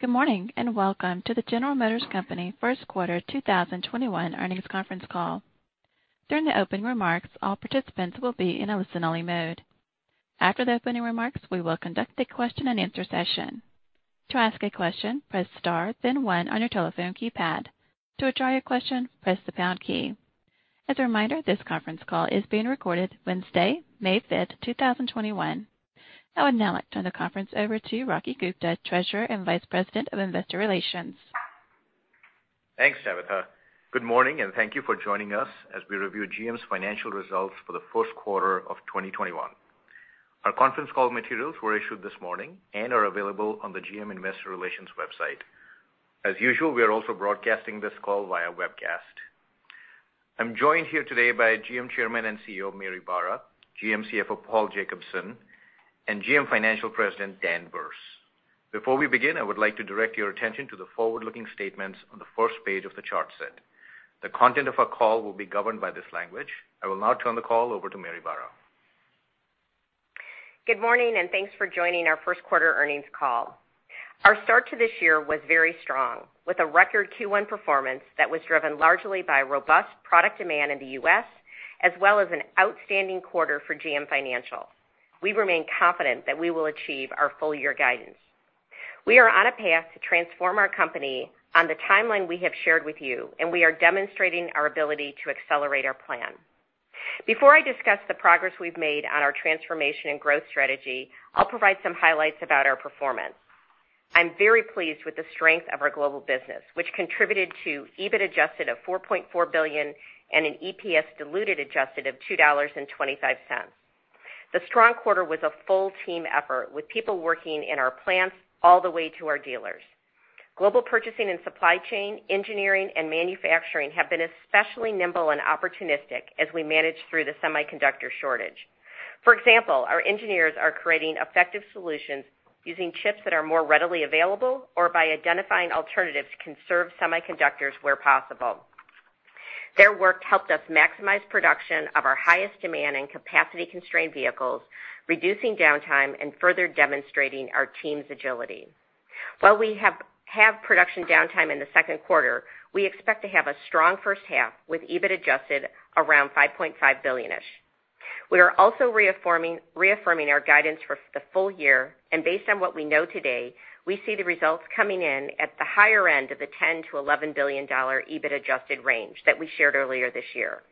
Good morning, and welcome to the General Motors Company First Quarter 2021 Earnings Conference Call. During the opening remarks, all participants will be in a listen-only mode. After the opening remarks, we will conduct a question-and-answer session. To ask a question, press star then one on your telephone keypad. To withdraw your question, press the pound key. As a reminder, this conference call is being recorded Wednesday, May 5th, 2021. I would now like to turn the conference over to Rocky Gupta, Treasurer and Vice President of Investor Relations. Thanks, Tabitha. Good morning, and thank you for joining us as we review GM's financial results for the first quarter of 2021. Our conference call materials were issued this morning and are available on the GM Investor Relations website. As usual, we are also broadcasting this call via webcast. I'm joined here today by GM Chairman and CEO, Mary Barra, GM CFO, Paul Jacobson, and GM Financial President, Dan Berce. Before we begin, I would like to direct your attention to the forward-looking statements on the first page of the chart set. The content of our call will be governed by this language. I will now turn the call over to Mary Barra. Good morning and thanks for joining our first quarter earnings call. Our start to this year was very strong, with a record Q1 performance that was driven largely by robust product demand in the U.S., as well as an outstanding quarter for GM Financial. We remain confident that we will achieve our full-year guidance. We are on a path to transform our company on the timeline we have shared with you, and we are demonstrating our ability to accelerate our plan. Before I discuss the progress we've made on our transformation and growth strategy, I'll provide some highlights about our performance. I'm very pleased with the strength of our global business, which contributed to EBIT adjusted of $4.4 billion and an EPS diluted adjusted of $2.25. The strong quarter was a full team effort with people working in our plants all the way to our dealers. Global purchasing and supply chain, engineering, and manufacturing have been especially nimble and opportunistic as we manage through the semiconductor shortage. For example, our engineers are creating effective solutions using chips that are more readily available or by identifying alternatives to conserve semiconductors where possible. Their work helped us maximize production of our highest demand and capacity-constrained vehicles, reducing downtime and further demonstrating our team's agility. While we have production downtime in the second quarter, we expect to have a strong first half with EBIT adjusted around $5.5 billion-ish. We are also reaffirming our guidance for the full year. Based on what we know today, we see the results coming in at the higher end of the $10 billion-$11 billion EBIT adjusted range that we shared earlier this year.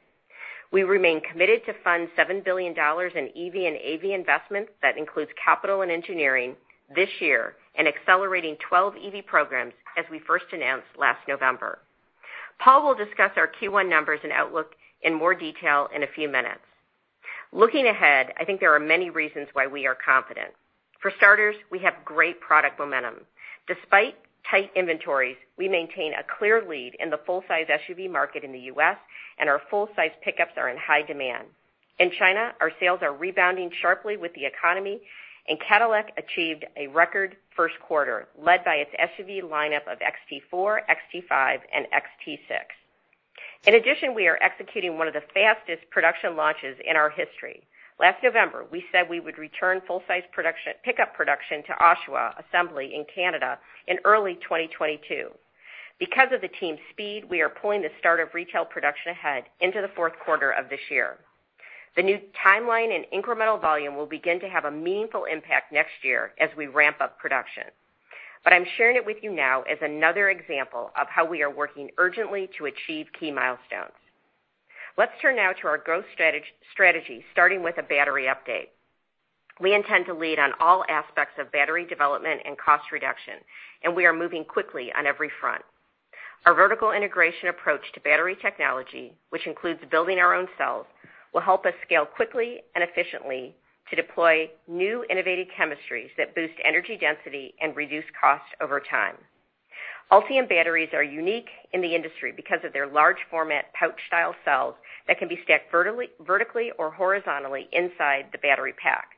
We remain committed to fund $7 billion in EV and AV investments, that includes capital and engineering, this year, and accelerating 12 EV programs as we first announced last November. Paul will discuss our Q1 numbers and outlook in more detail in a few minutes. Looking ahead, I think there are many reasons why we are confident. For starters, we have great product momentum. Despite tight inventories, we maintain a clear lead in the full-size SUV market in the U.S., and our full-size pickups are in high demand. In China, our sales are rebounding sharply with the economy, and Cadillac achieved a record first quarter, led by its SUV lineup of XT4, XT5, and XT6. In addition, we are executing one of the fastest production launches in our history. Last November, we said we would return full-size pickup production to Oshawa Assembly in Canada in early 2022. Because of the team's speed, we are pulling the start of retail production ahead into the fourth quarter of this year. The new timeline and incremental volume will begin to have a meaningful impact next year as we ramp up production. I'm sharing it with you now as another example of how we are working urgently to achieve key milestones. Let's turn now to our growth strategy, starting with a battery update. We intend to lead on all aspects of battery development and cost reduction, and we are moving quickly on every front. Our vertical integration approach to battery technology, which includes building our own cells, will help us scale quickly and efficiently to deploy new innovative chemistries that boost energy density and reduce costs over time. Ultium batteries are unique in the industry because of their large format pouch-style cells that can be stacked vertically or horizontally inside the battery pack.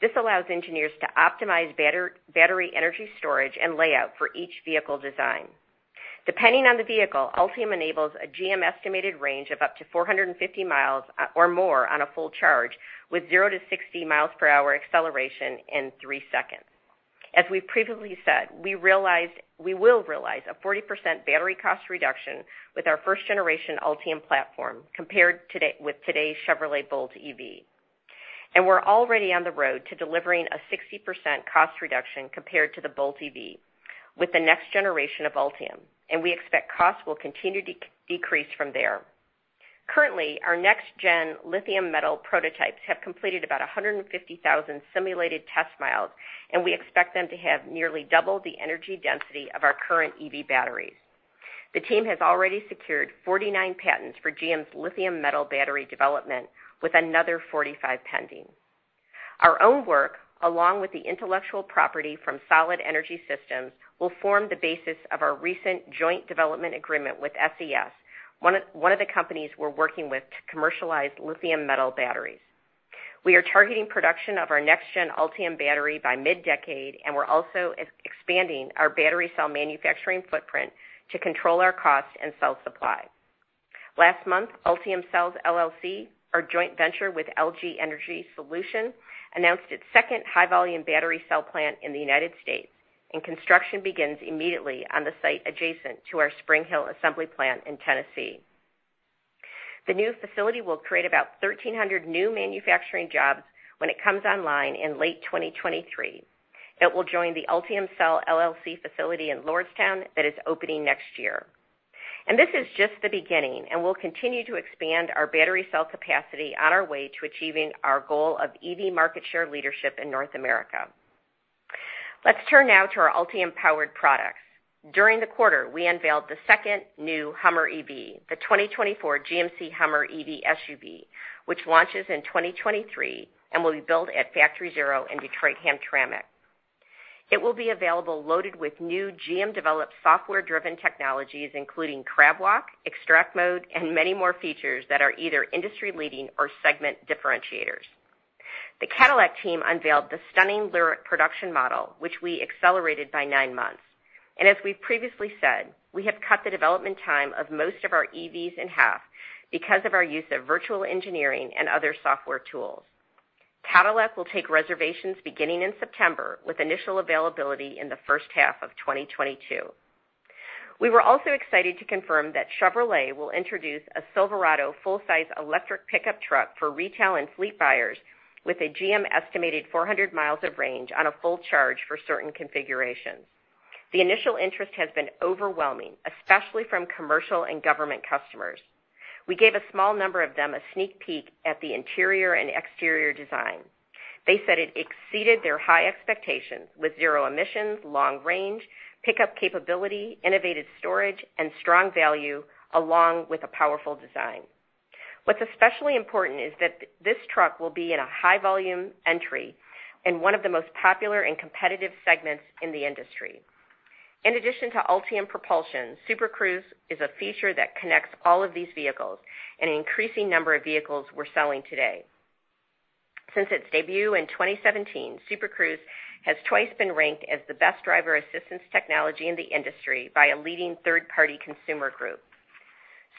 This allows engineers to optimize battery energy storage and layout for each vehicle design. Depending on the vehicle, Ultium enables a GM estimated range of up to 450 mi or more on a full charge with 0 mph to 60 mph acceleration in three seconds. As we previously said, we will realize a 40% battery cost reduction with our first generation Ultium platform compared with today's Chevrolet Bolt EV. We're already on the road to delivering a 60% cost reduction compared to the Bolt EV with the next generation of Ultium, and we expect costs will continue to decrease from there. Currently, our next-gen lithium-metal prototypes have completed about 150,000 simulated test miles, and we expect them to have nearly double the energy density of our current EV batteries. The team has already secured 49 patents for GM's lithium-metal battery development, with another 45 pending. Our own work, along with the intellectual property from SolidEnergy Systems, will form the basis of our recent joint development agreement with SES, one of the companies we're working with to commercialize lithium-metal batteries. We are targeting production of our next-gen Ultium battery by mid-decade, and we're also expanding our battery cell manufacturing footprint to control our cost and cell supply. Last month, Ultium Cells LLC, our joint venture with LG Energy Solution, announced its second high-volume battery cell plant in the U.S., and construction begins immediately on the site adjacent to our Spring Hill assembly plant in Tennessee. The new facility will create about 1,300 new manufacturing jobs when it comes online in late 2023. It will join the Ultium Cells LLC facility in Lordstown that is opening next year. This is just the beginning, and we'll continue to expand our battery cell capacity on our way to achieving our goal of EV market share leadership in North America. Let's turn now to our Ultium-powered products. During the quarter, we unveiled the second new Hummer EV, the 2024 GMC Hummer EV SUV, which launches in 2023 and will be built at Factory Zero in Detroit-Hamtramck. It will be available loaded with new GM-developed software-driven technologies, including CrabWalk, Extract Mode, and many more features that are either industry-leading or segment differentiators. The Cadillac team unveiled the stunning LYRIQ production model, which we accelerated by nine months. As we've previously said, we have cut the development time of most of our EVs in half because of our use of virtual engineering and other software tools. Cadillac will take reservations beginning in September, with initial availability in the first half of 2022. We were also excited to confirm that Chevrolet will introduce a Silverado full-size electric pickup truck for retail and fleet buyers with a GM-estimated 400 mi of range on a full charge for certain configurations. The initial interest has been overwhelming, especially from commercial and government customers. We gave a small number of them a sneak peek at the interior and exterior design. They said it exceeded their high expectations, with zero emissions, long range, pickup capability, innovative storage, and strong value, along with a powerful design. What's especially important is that this truck will be in a high-volume entry in one of the most popular and competitive segments in the industry. In addition to Ultium propulsion, Super Cruise is a feature that connects all of these vehicles and an increasing number of vehicles we're selling today. Since its debut in 2017, Super Cruise has twice been ranked as the best driver assistance technology in the industry by a leading third-party consumer group.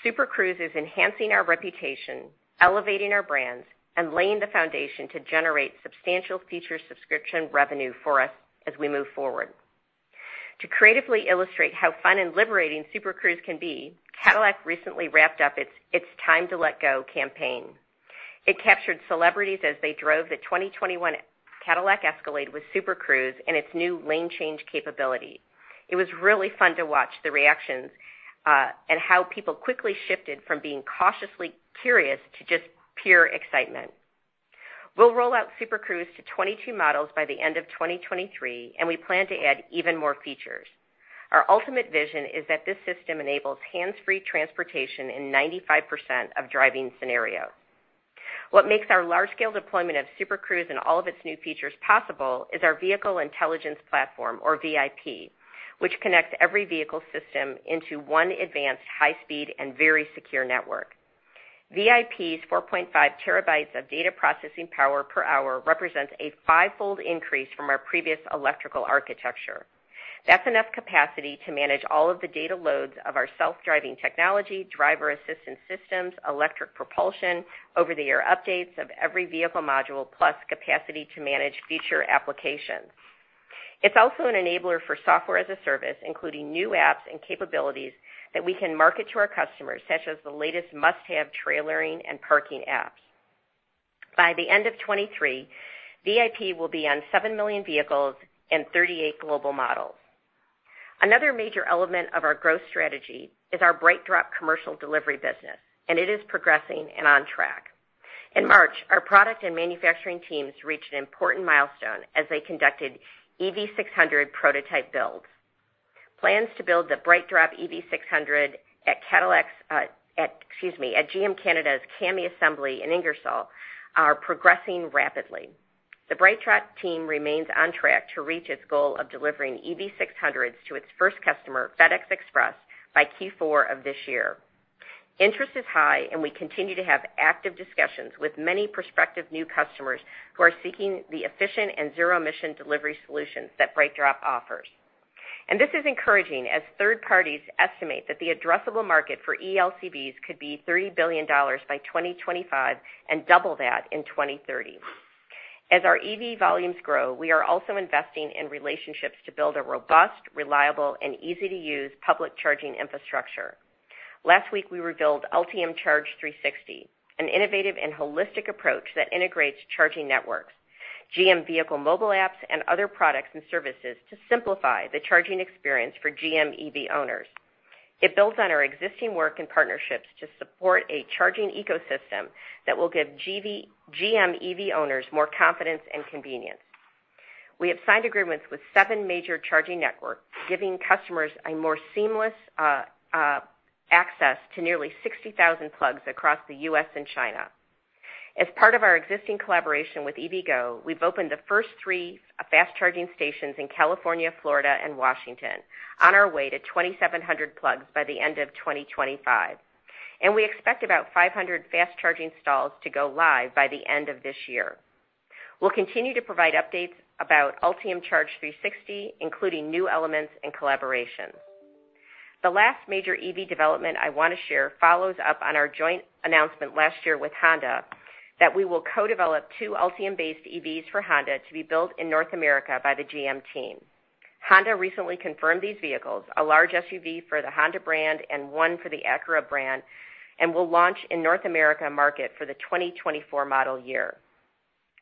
Super Cruise is enhancing our reputation, elevating our brands, and laying the foundation to generate substantial future subscription revenue for us as we move forward. To creatively illustrate how fun and liberating Super Cruise can be, Cadillac recently wrapped up its It's Time to Let Go campaign. It captured celebrities as they drove the 2021 Cadillac Escalade with Super Cruise and its new lane change capability. It was really fun to watch the reactions, and how people quickly shifted from being cautiously curious to just pure excitement. We'll roll out Super Cruise to 22 models by the end of 2023, and we plan to add even more features. Our ultimate vision is that this system enables hands-free transportation in 95% of driving scenarios. What makes our large-scale deployment of Super Cruise and all of its new features possible is our Vehicle Intelligence Platform, or VIP, which connects every vehicle system into one advanced, high-speed, and very secure network. VIP's 4.5 TB of data processing power per hour represents a five-fold increase from our previous electrical architecture. That's enough capacity to manage all of the data loads of our self-driving technology, driver assistance systems, electric propulsion, over-the-air updates of every vehicle module, plus capacity to manage future applications. It's also an enabler for software as a service, including new apps and capabilities that we can market to our customers, such as the latest must-have trailering and parking apps. By the end of 2023, VIP will be on seven million vehicles and 38 global models. Another major element of our growth strategy is our BrightDrop commercial delivery business, and it is progressing and on track. In March, our product and manufacturing teams reached an important milestone as they conducted EV600 prototype builds. Plans to build the BrightDrop EV600 at GM Canada's CAMI Assembly in Ingersoll are progressing rapidly. The BrightDrop team remains on track to reach its goal of delivering EV600s to its first customer, FedEx Express, by Q4 of this year. Interest is high, and we continue to have active discussions with many prospective new customers who are seeking the efficient and zero-emission delivery solutions that BrightDrop offers. This is encouraging, as third parties estimate that the addressable market for eLCVs could be $30 billion by 2025, and double that in 2030. As our EV volumes grow, we are also investing in relationships to build a robust, reliable, and easy-to-use public charging infrastructure. Last week, we revealed Ultium Charge 360, an innovative and holistic approach that integrates charging networks, GM vehicle mobile apps, and other products and services to simplify the charging experience for GM EV owners. It builds on our existing work and partnerships to support a charging ecosystem that will give GM EV owners more confidence and convenience. We have signed agreements with seven major charging networks, giving customers a more seamless access to nearly 60,000 plugs across the U.S. and China. As part of our existing collaboration with EVgo, we've opened the first three fast-charging stations in California, Florida, and Washington, on our way to 2,700 plugs by the end of 2025, and we expect about 500 fast-charging stalls to go live by the end of this year. We'll continue to provide updates about Ultium Charge 360, including new elements and collaboration. The last major EV development I want to share follows up on our joint announcement last year with Honda, that we will co-develop two Ultium-based EVs for Honda to be built in North America by the GM team. Honda recently confirmed these vehicles, a large SUV for the Honda brand and one for the Acura brand, and will launch in North America market for the 2024 model year.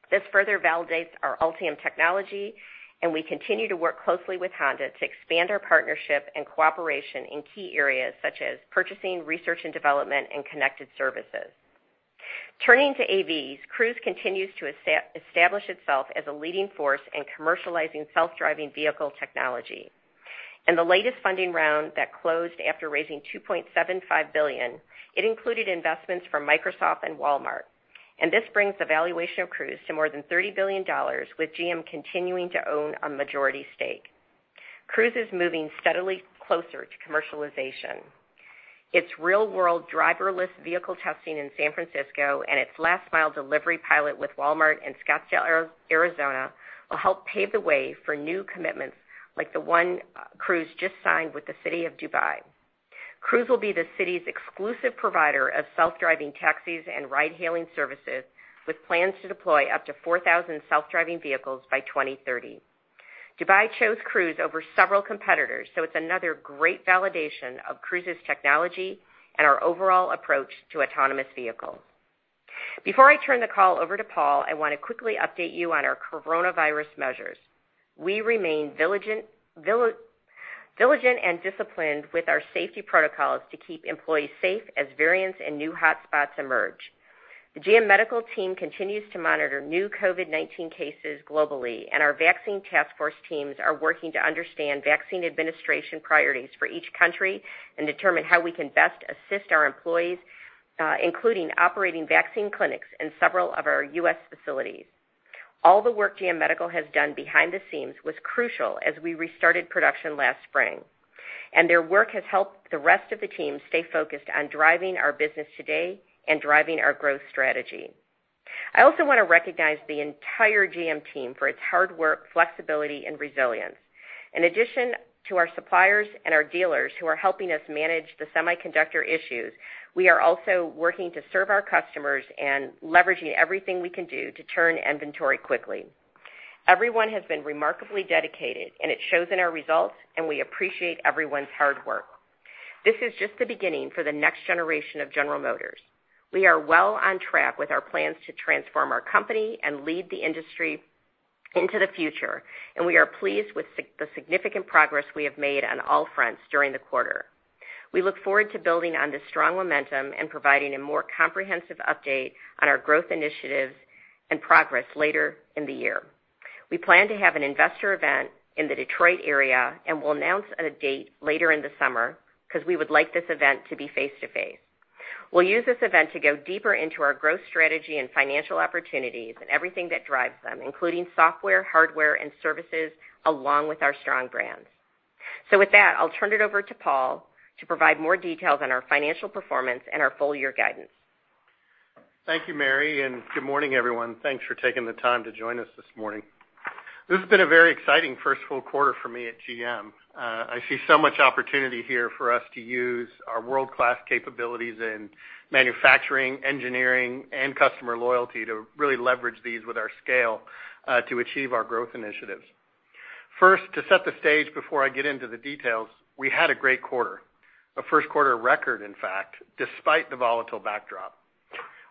This further validates our Ultium technology. We continue to work closely with Honda to expand our partnership and cooperation in key areas such as purchasing, research and development, and connected services. Turning to AVs, Cruise continues to establish itself as a leading force in commercializing self-driving vehicle technology. In the latest funding round that closed after raising $2.75 billion, it included investments from Microsoft and Walmart. This brings the valuation of Cruise to more than $30 billion, with GM continuing to own a majority stake. Cruise is moving steadily closer to commercialization. Its real-world driverless vehicle testing in San Francisco, and its last mile delivery pilot with Walmart in Scottsdale, Arizona, will help pave the way for new commitments, like the one Cruise just signed with the city of Dubai. Cruise will be the city's exclusive provider of self-driving taxis and ride-hailing services, with plans to deploy up to 4,000 self-driving vehicles by 2030. Dubai chose Cruise over several competitors, it's another great validation of Cruise's technology and our overall approach to autonomous vehicles. Before I turn the call over to Paul, I want to quickly update you on our coronavirus measures. We remain diligent and disciplined with our safety protocols to keep employees safe as variants and new hotspots emerge. The GM Medical team continues to monitor new COVID-19 cases globally, and our vaccine task force teams are working to understand vaccine administration priorities for each country, and determine how we can best assist our employees, including operating vaccine clinics in several of our U.S. facilities. All the work GM Medical has done behind the scenes was crucial as we restarted production last spring. Their work has helped the rest of the team stay focused on driving our business today and driving our growth strategy. I also want to recognize the entire GM team for its hard work, flexibility, and resilience. In addition to our suppliers and our dealers who are helping us manage the semiconductor issues, we are also working to serve our customers and leveraging everything we can do to turn inventory quickly. Everyone has been remarkably dedicated. It shows in our results. We appreciate everyone's hard work. This is just the beginning for the next generation of General Motors. We are well on track with our plans to transform our company and lead the industry into the future, and we are pleased with the significant progress we have made on all fronts during the quarter. We look forward to building on this strong momentum and providing a more comprehensive update on our growth initiatives and progress later in the year. We plan to have an investor event in the Detroit area, and we'll announce a date later in the summer, because we would like this event to be face-to-face. We'll use this event to go deeper into our growth strategy and financial opportunities, and everything that drives them, including software, hardware, and services, along with our strong brands. With that, I'll turn it over to Paul to provide more details on our financial performance and our full-year guidance. Thank you, Mary. Good morning, everyone. Thanks for taking the time to join us this morning. This has been a very exciting first full quarter for me at GM. I see so much opportunity here for us to use our world-class capabilities in manufacturing, engineering, and customer loyalty to really leverage these with our scale to achieve our growth initiatives. First, to set the stage before I get into the details, we had a great quarter. A first quarter record, in fact, despite the volatile backdrop.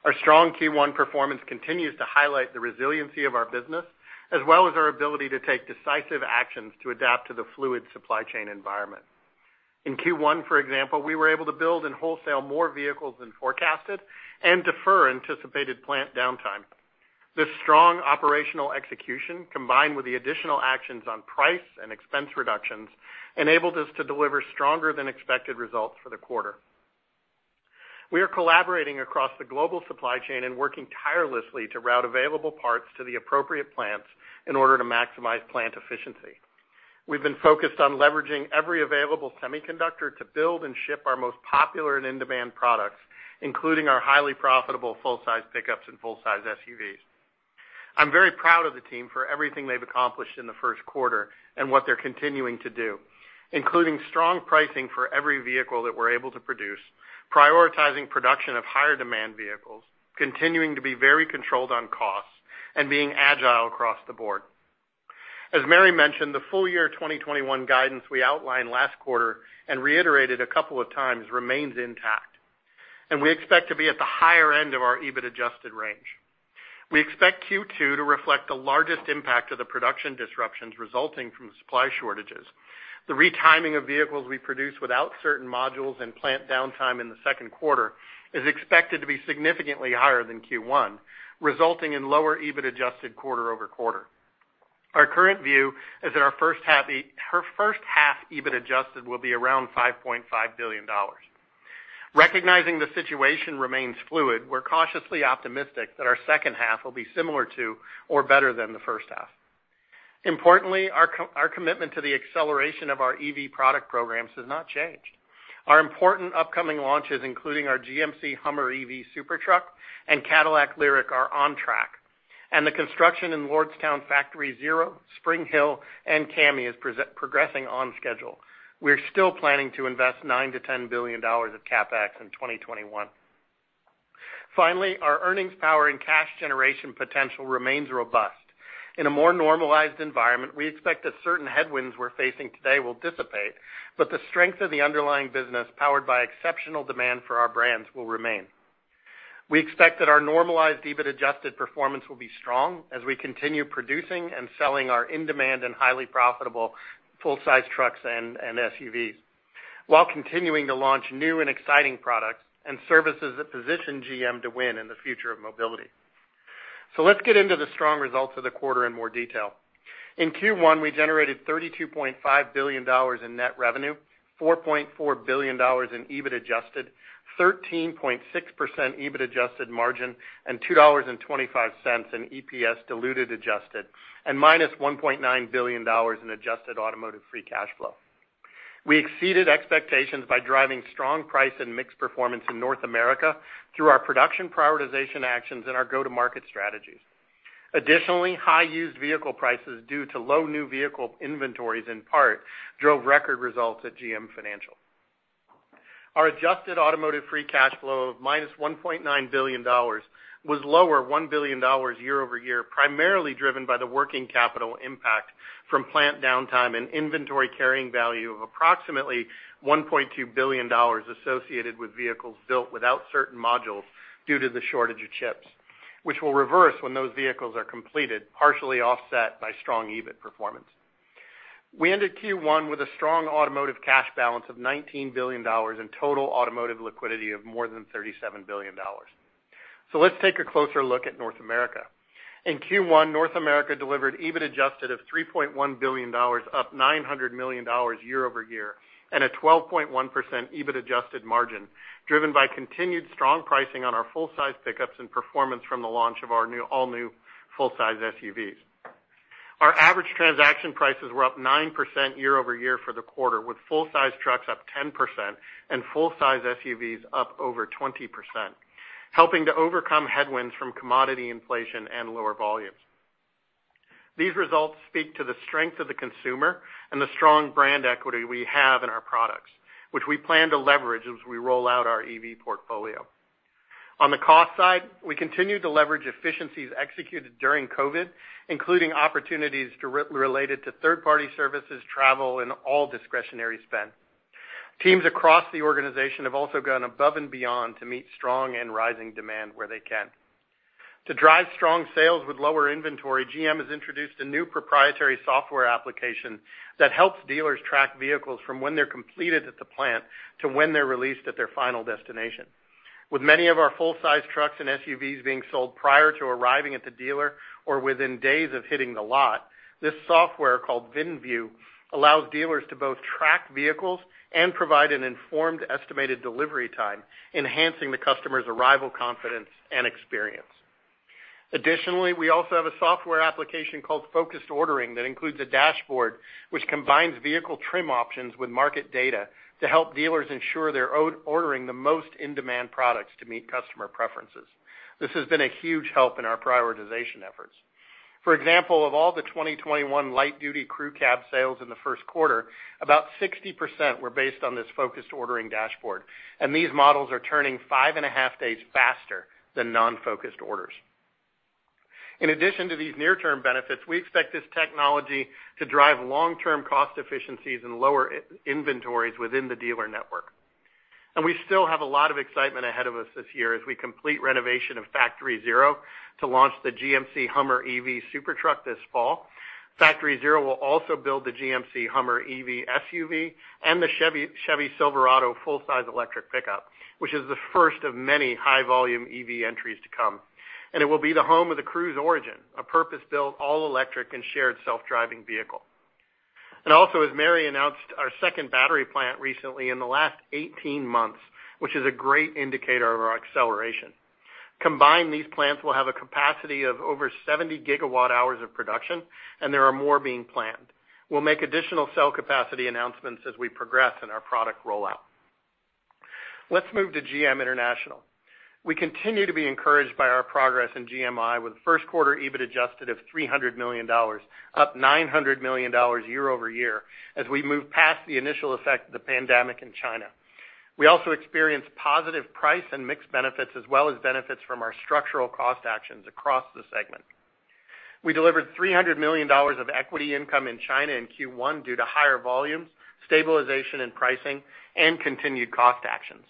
Our strong Q1 performance continues to highlight the resiliency of our business, as well as our ability to take decisive actions to adapt to the fluid supply chain environment. In Q1, for example, we were able to build and wholesale more vehicles than forecasted and defer anticipated plant downtime. This strong operational execution, combined with the additional actions on price and expense reductions, enabled us to deliver stronger than expected results for the quarter. We are collaborating across the global supply chain and working tirelessly to route available parts to the appropriate plants in order to maximize plant efficiency. We've been focused on leveraging every available semiconductor to build and ship our most popular and in-demand products, including our highly profitable full-size pickups and full-size SUVs. I'm very proud of the team for everything they've accomplished in the first quarter and what they're continuing to do, including strong pricing for every vehicle that we're able to produce, prioritizing production of higher demand vehicles, continuing to be very controlled on costs, and being agile across the board. As Mary mentioned, the full-year 2021 guidance we outlined last quarter and reiterated a couple of times remains intact. We expect to be at the higher end of our EBIT adjusted range. We expect Q2 to reflect the largest impact of the production disruptions resulting from supply shortages. The retiming of vehicles we produce without certain modules and plant downtime in the second quarter is expected to be significantly higher than Q1, resulting in lower EBIT adjusted quarter-over-quarter. Our current view is that our first half EBIT adjusted will be around $5.5 billion. Recognizing the situation remains fluid, we're cautiously optimistic that our second half will be similar to or better than the first half. Importantly, our commitment to the acceleration of our EV product programs has not changed. Our important upcoming launches, including our GMC Hummer EV super truck and Cadillac LYRIQ, are on track, and the construction in Lordstown Factory Zero, Spring Hill, and CAMI is progressing on schedule. We're still planning to invest $9 billion-$10 billion of CapEx in 2021. Our earnings power and cash generation potential remains robust. In a more normalized environment, we expect that certain headwinds we're facing today will dissipate, but the strength of the underlying business, powered by exceptional demand for our brands, will remain. We expect that our normalized EBIT adjusted performance will be strong as we continue producing and selling our in-demand and highly profitable full-size trucks and SUVs while continuing to launch new and exciting products and services that position GM to win in the future of mobility. Let's get into the strong results of the quarter in more detail. In Q1, we generated $32.5 billion in net revenue, $4.4 billion in EBIT adjusted, 13.6% EBIT adjusted margin, and $2.25 in EPS diluted adjusted, and -$1.9 billion in adjusted automotive free cash flow. We exceeded expectations by driving strong price and mixed performance in North America through our production prioritization actions and our go-to-market strategies. High used vehicle prices due to low new vehicle inventories in part drove record results at GM Financial. Our adjusted automotive free cash flow of minus $1.9 billion was lower $1 billion year-over-year, primarily driven by the working capital impact from plant downtime and inventory carrying value of approximately $1.2 billion associated with vehicles built without certain modules due to the shortage of chips, which will reverse when those vehicles are completed, partially offset by strong EBIT performance. We ended Q1 with a strong automotive cash balance of $19 billion in total automotive liquidity of more than $37 billion. Let's take a closer look at North America. In Q1, North America delivered EBIT adjusted of $3.1 billion, up $900 million year-over-year, and a 12.1% EBIT adjusted margin, driven by continued strong pricing on our full-size pickups and performance from the launch of our all-new full-size SUVs. Our average transaction prices were up 9% year-over-year for the quarter, with full-size trucks up 10% and full-size SUVs up over 20%, helping to overcome headwinds from commodity inflation and lower volumes. These results speak to the strength of the consumer and the strong brand equity we have in our products, which we plan to leverage as we roll out our EV portfolio. On the cost side, we continue to leverage efficiencies executed during COVID, including opportunities related to third-party services, travel, and all discretionary spend. Teams across the organization have also gone above and beyond to meet strong and rising demand where they can. To drive strong sales with lower inventory, GM has introduced a new proprietary software application that helps dealers track vehicles from when they're completed at the plant to when they're released at their final destination. With many of our full-size trucks and SUVs being sold prior to arriving at the dealer or within days of hitting the lot, this software, called VINVIEW, allows dealers to both track vehicles and provide an informed estimated delivery time, enhancing the customer's arrival confidence and experience. Additionally, we also have a software application called Focused Ordering that includes a dashboard which combines vehicle trim options with market data to help dealers ensure they're ordering the most in-demand products to meet customer preferences. This has been a huge help in our prioritization efforts. For example, of all the 2021 light-duty crew cab sales in the first quarter, about 60% were based on this Focused Ordering dashboard, and these models are turning five and a half days faster than non-focused orders. In addition to these near-term benefits, we expect this technology to drive long-term cost efficiencies and lower inventories within the dealer network. We still have a lot of excitement ahead of us this year as we complete renovation of Factory Zero to launch the GMC Hummer EV super truck this fall. Factory Zero will also build the GMC Hummer EV SUV and the Chevy Silverado full-size electric pickup, which is the first of many high-volume EV entries to come. It will be the home of the Cruise Origin, a purpose-built, all-electric, and shared self-driving vehicle. Also, as Mary announced, our second battery plant recently in the last 18 months, which is a great indicator of our acceleration. Combined, these plants will have a capacity of over 70 GW hours of production, and there are more being planned. We will make additional cell capacity announcements as we progress in our product rollout. Let us move to GM International. We continue to be encouraged by our progress in GMI with first quarter EBIT adjusted of $300 million, up $900 million year-over-year, as we move past the initial effect of the pandemic in China. We also experienced positive price and mix benefits as well as benefits from our structural cost actions across the segment. We delivered $300 million of equity income in China in Q1 due to higher volumes, stabilization in pricing, and continued cost actions.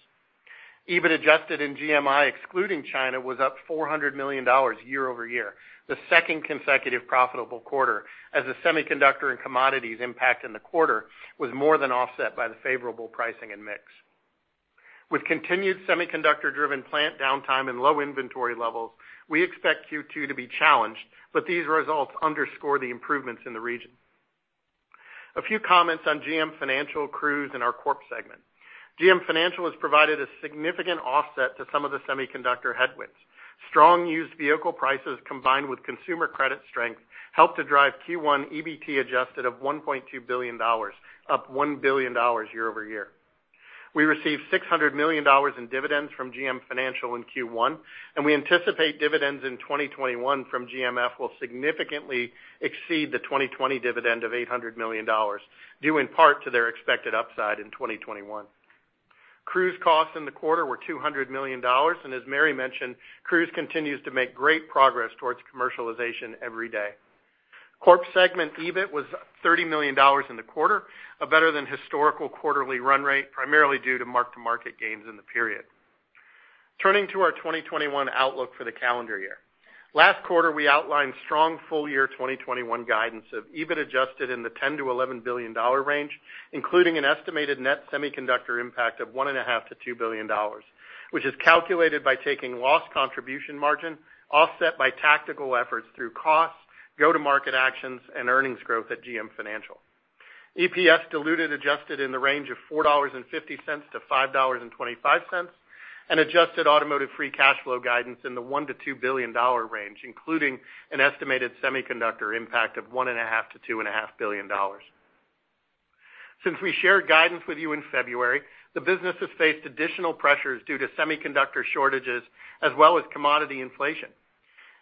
EBIT adjusted in GMI, excluding China, was up $400 million year-over-year, the second consecutive profitable quarter, as the semiconductor and commodities impact in the quarter was more than offset by the favorable pricing and mix. With continued semiconductor-driven plant downtime and low inventory levels, we expect Q2 to be challenged, but these results underscore the improvements in the region. A few comments on GM Financial, Cruise, and our Corp segment. GM Financial has provided a significant offset to some of the semiconductor headwinds. Strong used vehicle prices, combined with consumer credit strength, helped to drive Q1 EBT adjusted of $1.2 billion, up $1 billion year-over-year. We received $600 million in dividends from GM Financial in Q1, and we anticipate dividends in 2021 from GMF will significantly exceed the 2020 dividend of $800 million, due in part to their expected upside in 2021. Cruise costs in the quarter were $200 million, and as Mary mentioned, Cruise continues to make great progress towards commercialization every day. Corp segment EBIT was $30 million in the quarter, a better than historical quarterly run rate, primarily due to mark-to-market gains in the period. Turning to our 2021 outlook for the calendar year. Last quarter, we outlined strong full-year 2021 guidance of EBIT adjusted in the $10 billion-$11 billion range, including an estimated net semiconductor impact of $1.5 billion-$2 billion, which is calculated by taking lost contribution margin offset by tactical efforts through costs, go-to-market actions, and earnings growth at GM Financial. EPS diluted adjusted in the range of $4.50-$5.25, and adjusted automotive free cash flow guidance in the $1 billion-$2 billion range, including an estimated semiconductor impact of $1.5 billion-$2.5 billion. Since we shared guidance with you in February, the business has faced additional pressures due to semiconductor shortages as well as commodity inflation.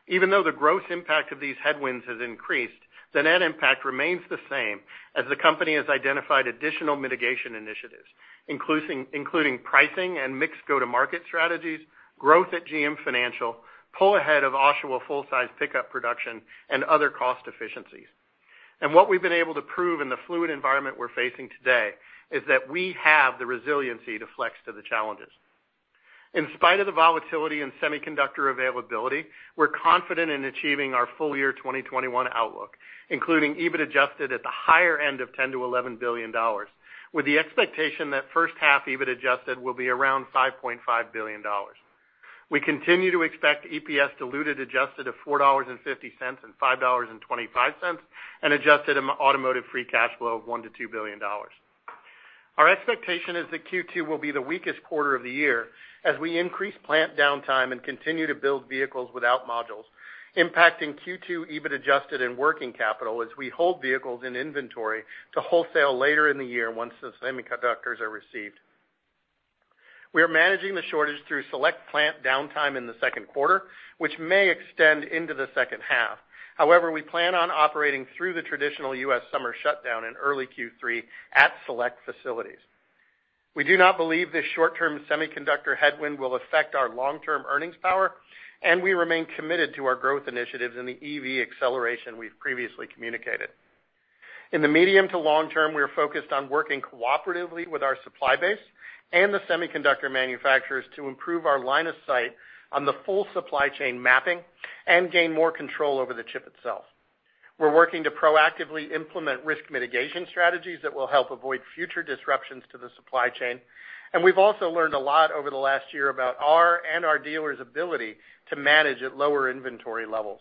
Even though the gross impact of these headwinds has increased, the net impact remains the same as the company has identified additional mitigation initiatives, including pricing and mixed go-to-market strategies, growth at GM Financial, pull ahead of Oshawa full-size pickup production, and other cost efficiencies. What we've been able to prove in the fluid environment we're facing today is that we have the resiliency to flex to the challenges. In spite of the volatility in semiconductor availability, we're confident in achieving our full-year 2021 outlook, including EBIT adjusted at the higher end of $10 billion-$11 billion, with the expectation that first half EBIT adjusted will be around $5.5 billion. We continue to expect EPS diluted adjusted of $4.50 and $5.25, and adjusted automotive free cash flow of $1 billion-$2 billion. Our expectation is that Q2 will be the weakest quarter of the year as we increase plant downtime and continue to build vehicles without modules, impacting Q2 EBIT adjusted and working capital as we hold vehicles in inventory to wholesale later in the year once the semiconductors are received. We are managing the shortage through select plant downtime in the second quarter, which may extend into the second half. We plan on operating through the traditional U.S. summer shutdown in early Q3 at select facilities. We do not believe this short-term semiconductor headwind will affect our long-term earnings power, and we remain committed to our growth initiatives in the EV acceleration we've previously communicated. In the medium to long term, we are focused on working cooperatively with our supply base and the semiconductor manufacturers to improve our line of sight on the full supply chain mapping and gain more control over the chip itself. We're working to proactively implement risk mitigation strategies that will help avoid future disruptions to the supply chain. We've also learned a lot over the last year about our and our dealers' ability to manage at lower inventory levels.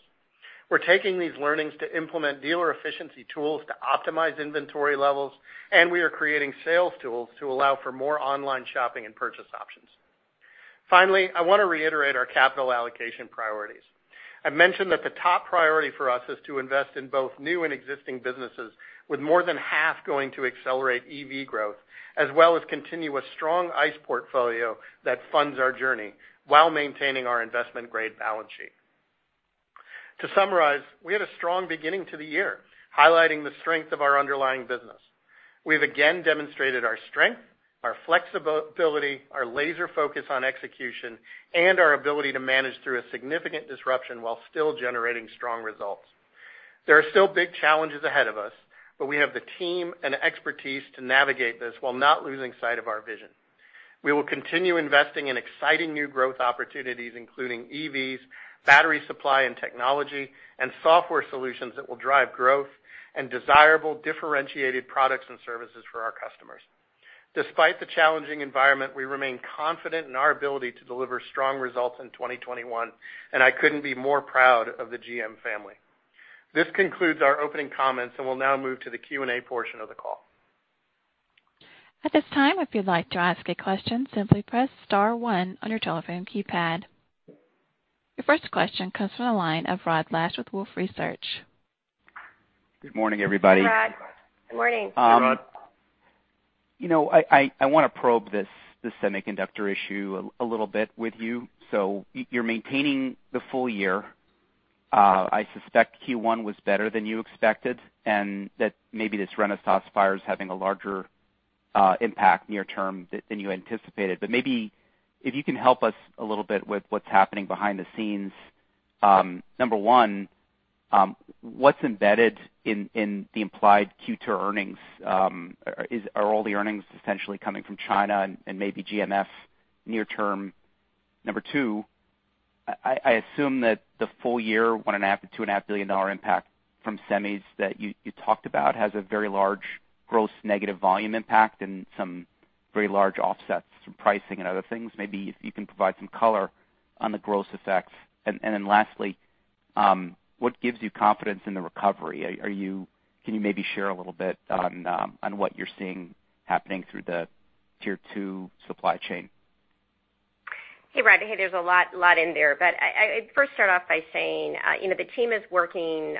We're taking these learnings to implement dealer efficiency tools to optimize inventory levels, and we are creating sales tools to allow for more online shopping and purchase options. Finally, I want to reiterate our capital allocation priorities. I mentioned that the top priority for us is to invest in both new and existing businesses with more than half going to accelerate EV growth, as well as continue a strong ICE portfolio that funds our journey while maintaining our investment-grade balance sheet. We had a strong beginning to the year, highlighting the strength of our underlying business. We've again demonstrated our strength, our flexibility, our laser focus on execution, and our ability to manage through a significant disruption while still generating strong results. There are still big challenges ahead of us. We have the team and expertise to navigate this while not losing sight of our vision. We will continue investing in exciting new growth opportunities, including EVs, battery supply and technology, and software solutions that will drive growth and desirable differentiated products and services for our customers. Despite the challenging environment, we remain confident in our ability to deliver strong results in 2021, and I couldn't be more proud of the GM family. This concludes our opening comments, and we'll now move to the Q&A portion of the call. At this time, if you'd like to ask a question, simply press star one on your telephone keypad. Your first question comes from the line of Rod Lache with Wolfe Research. Good morning, everybody. Hey, Rod. Good morning. You know, I want to probe this semiconductor issue a little bit with you. You're maintaining the full year. I suspect Q1 was better than you expected, and that maybe this Renesas fire is having a larger impact near term than you anticipated. Maybe if you can help us a little bit with what's happening behind the scenes. Number one, what's embedded in the implied Q2 earnings? Are all the earnings essentially coming from China and maybe GMF near term? Number two, I assume that the full year $1.5 billion-$2.5 billion dollar impact from semis that you talked about has a very large gross negative volume impact and some very large offsets from pricing and other things. Maybe if you can provide some color on the gross effects. Lastly, what gives you confidence in the recovery? Can you maybe share a little bit on what you're seeing happening through the Tier 2 supply chain? Hey, Rod, there's a lot in there. I'd first start off by saying the team is working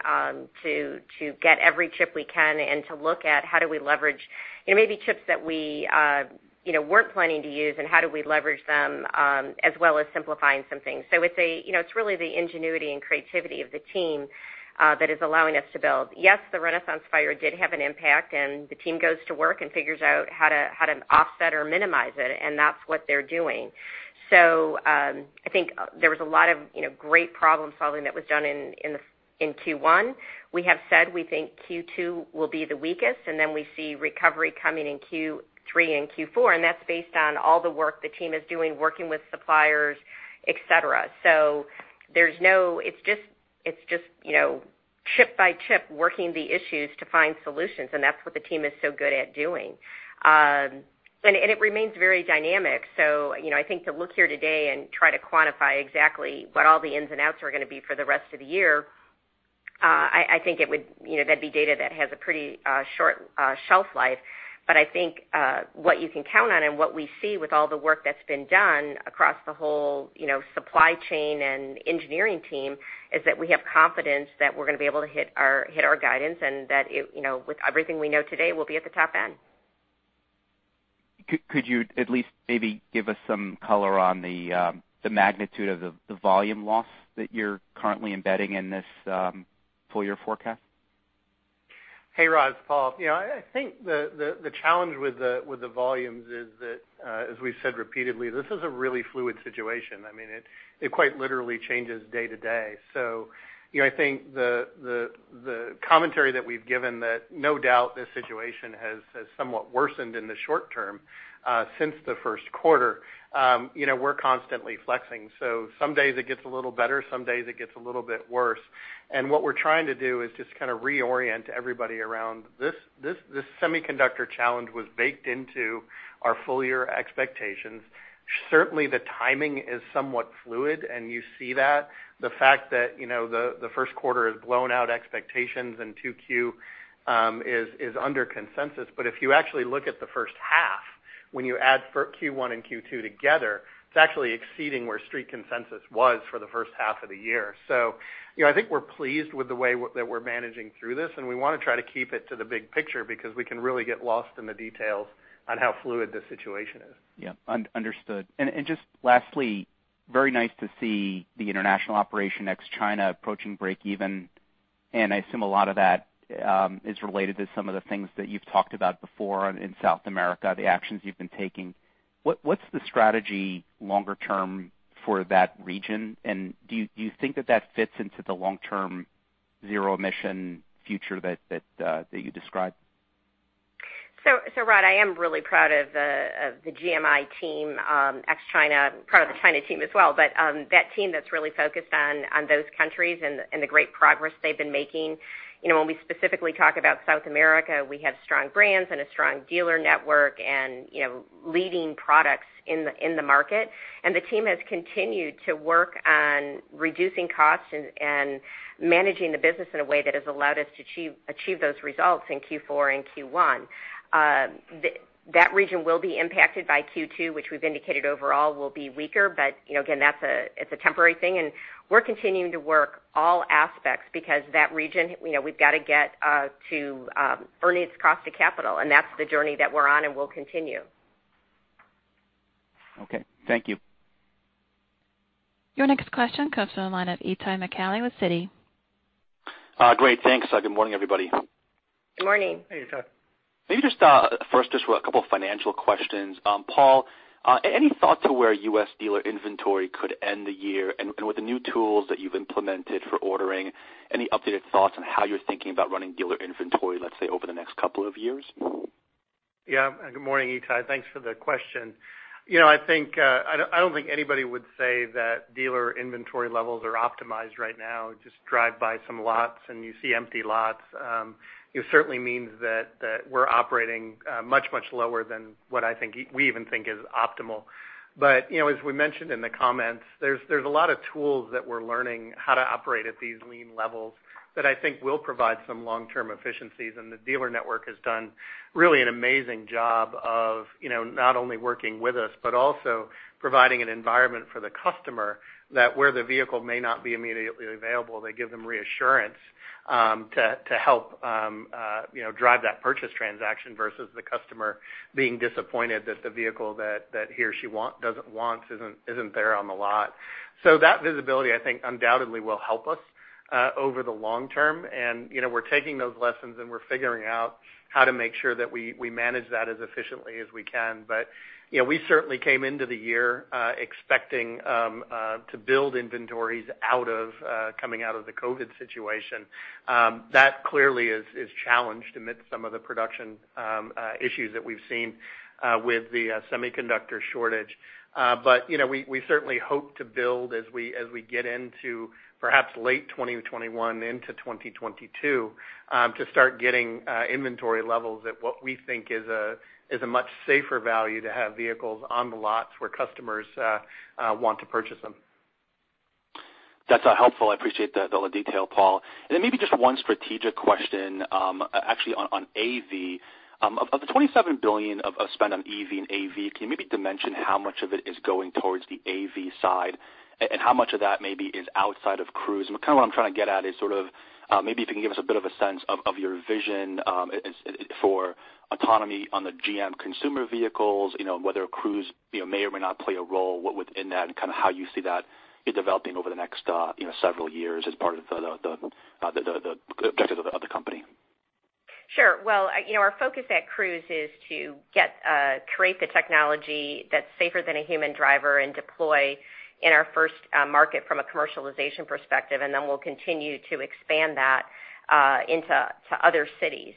to get every chip we can and to look at how do we leverage maybe chips that we weren't planning to use and how do we leverage them, as well as simplifying some things. It's really the ingenuity and creativity of the team that is allowing us to build. Yes, the Renesas fire did have an impact, and the team goes to work and figures out how to offset or minimize it, and that's what they're doing. I think there was a lot of great problem-solving that was done in Q1. We have said we think Q2 will be the weakest, then we see recovery coming in Q3 and Q4, and that's based on all the work the team is doing, working with suppliers, et cetera. It's just chip by chip, working the issues to find solutions, and that's what the team is so good at doing. It remains very dynamic. I think to look here today and try to quantify exactly what all the ins and outs are going to be for the rest of the year, I think that'd be data that has a pretty short shelf life. I think what you can count on and what we see with all the work that's been done across the whole supply chain and engineering team is that we have confidence that we're going to be able to hit our guidance and that with everything we know today, we'll be at the top end. Could you at least maybe give us some color on the magnitude of the volume loss that you're currently embedding in this full-year forecast? Hey, Rod, it's Paul. I think the challenge with the volumes is that, as we've said repeatedly, this is a really fluid situation. It quite literally changes day to day. I think the commentary that we've given that no doubt this situation has somewhat worsened in the short term since the first quarter. We're constantly flexing. Some days it gets a little better, some days it gets a little bit worse. What we're trying to do is just kind of reorient everybody around this semiconductor challenge was baked into our full-year expectations. Certainly, the timing is somewhat fluid, and you see that. The fact that the first quarter has blown out expectations and 2Q is under consensus. If you actually look at the first half, when you add Q1 and Q2 together, it's actually exceeding where street consensus was for the first half of the year. I think we're pleased with the way that we're managing through this, and we want to try to keep it to the big picture because we can really get lost in the details on how fluid this situation is. Yeah. Understood. Just lastly, very nice to see the International operation ex China approaching breakeven. I assume a lot of that is related to some of the things that you've talked about before in South America, the actions you've been taking. What's the strategy longer term for that region? Do you think that fits into the long-term zero emission future that you described? Rod, I am really proud of the GMI team ex China, proud of the China team as well. That team that's really focused on those countries and the great progress they've been making. When we specifically talk about South America, we have strong brands and a strong dealer network and leading products in the market. The team has continued to work on reducing costs and managing the business in a way that has allowed us to achieve those results in Q4 and Q1. That region will be impacted by Q2, which we've indicated overall will be weaker, but again, it's a temporary thing, and we're continuing to work all aspects because that region, we've got to get to earning its cost of capital, and that's the journey that we're on and will continue. Okay. Thank you. Your next question comes from the line of Itay Michaeli with Citi. Great. Thanks. Good morning, everybody. Good morning. Hey, Itay. Maybe just first just a couple of financial questions. Paul, any thoughts of where U.S. dealer inventory could end the year? With the new tools that you've implemented for ordering, any updated thoughts on how you're thinking about running dealer inventory, let's say, over the next two years? Yeah. Good morning, Itay. Thanks for the question. I don't think anybody would say that dealer inventory levels are optimized right now. Just drive by some lots and you see empty lots. It certainly means that we're operating much, much lower than what we even think is optimal. As we mentioned in the comments, there's a lot of tools that we're learning how to operate at these lean levels that I think will provide some long-term efficiencies, and the dealer network has done really an amazing job of not only working with us but also providing an environment for the customer that where the vehicle may not be immediately available, they give them reassurance to help drive that purchase transaction versus the customer being disappointed that the vehicle that he or she wants isn't there on the lot. That visibility, I think, undoubtedly will help us over the long term, and we're taking those lessons and we're figuring out how to make sure that we manage that as efficiently as we can. We certainly came into the year expecting to build inventories coming out of the COVID situation. That clearly is challenged amidst some of the production issues that we've seen with the semiconductor shortage. We certainly hope to build as we get into perhaps late 2021 into 2022 to start getting inventory levels at what we think is a much safer value to have vehicles on the lots where customers want to purchase them. That's helpful. I appreciate all the detail, Paul. Then maybe just one strategic question actually on AV. Of the $27 billion of spend on EV and AV, can you maybe dimension how much of it is going towards the AV side? How much of that maybe is outside of Cruise? What I'm trying to get at is maybe if you can give us a bit of a sense of your vision for autonomy on the GM consumer vehicles, whether Cruise may or may not play a role within that, and how you see that developing over the next several years as part of the objectives of the company. Sure. Well, our focus at Cruise is to create the technology that's safer than a human driver and deploy in our first market from a commercialization perspective, then we'll continue to expand that into other cities.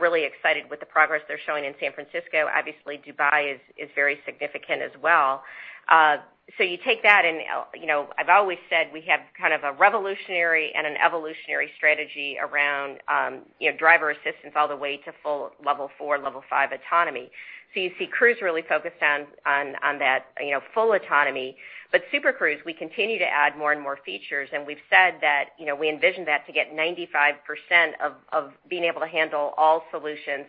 Really excited with the progress they're showing in San Francisco. Obviously, Dubai is very significant as well. You take that and I've always said we have kind of a revolutionary and an evolutionary strategy around driver assistance all the way to full Level 4, Level 5 autonomy. You see Cruise really focused on that full autonomy. Super Cruise, we continue to add more and more features, and we've said that we envision that to get 95% of being able to handle all solutions.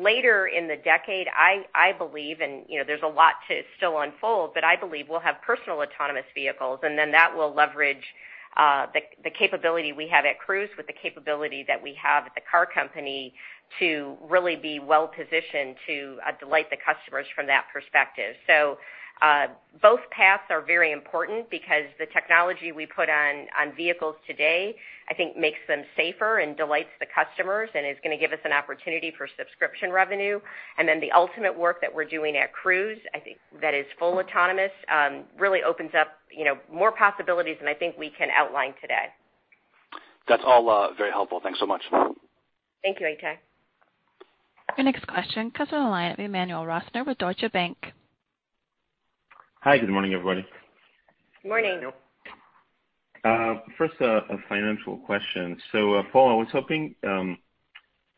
Later in the decade, I believe, and there's a lot to still unfold, but I believe we'll have personal autonomous vehicles, and then that will leverage the capability we have at Cruise with the capability that we have at the car company to really be well-positioned to delight the customers from that perspective. Both paths are very important because the technology we put on vehicles today, I think, makes them safer and delights the customers and is going to give us an opportunity for subscription revenue. The ultimate work that we're doing at Cruise, I think that is full autonomous, really opens up more possibilities than I think we can outline today. That's all very helpful. Thanks so much. Thank you, Itay. Your next question comes on the line with Emmanuel Rosner with Deutsche Bank. Hi, good morning, everybody. Morning. First a financial question. Paul, I was hoping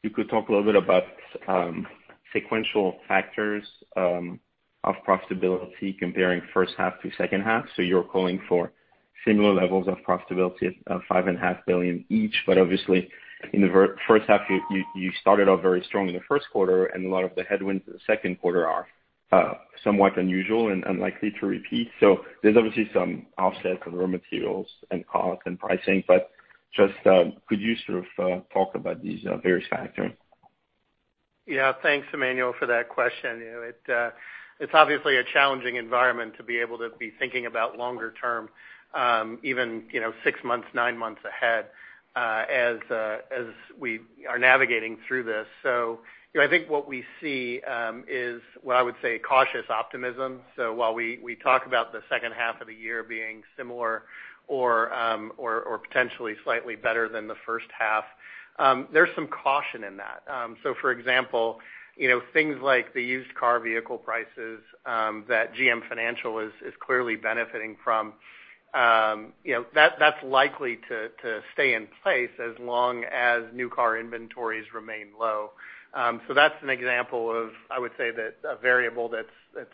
you could talk a little bit about sequential factors of profitability comparing first half to second half. You're calling for similar levels of profitability of $5.5 billion each, but obviously in the first half, you started off very strong in the first quarter, and a lot of the headwinds in the second quarter are somewhat unusual and unlikely to repeat. There's obviously some offset for raw materials and costs and pricing, but just could you sort of talk about these various factors? Yeah. Thanks, Emmanuel, for that question. It's obviously a challenging environment to be able to be thinking about longer term, even six months, nine months ahead, as we are navigating through this. I think what we see is, well, I would say cautious optimism. While we talk about the second half of the year being similar or potentially slightly better than the first half, there's some caution in that. For example, things like the used car vehicle prices that GM Financial is clearly benefiting from. That's likely to stay in place as long as new car inventories remain low. That's an example of, I would say a variable that's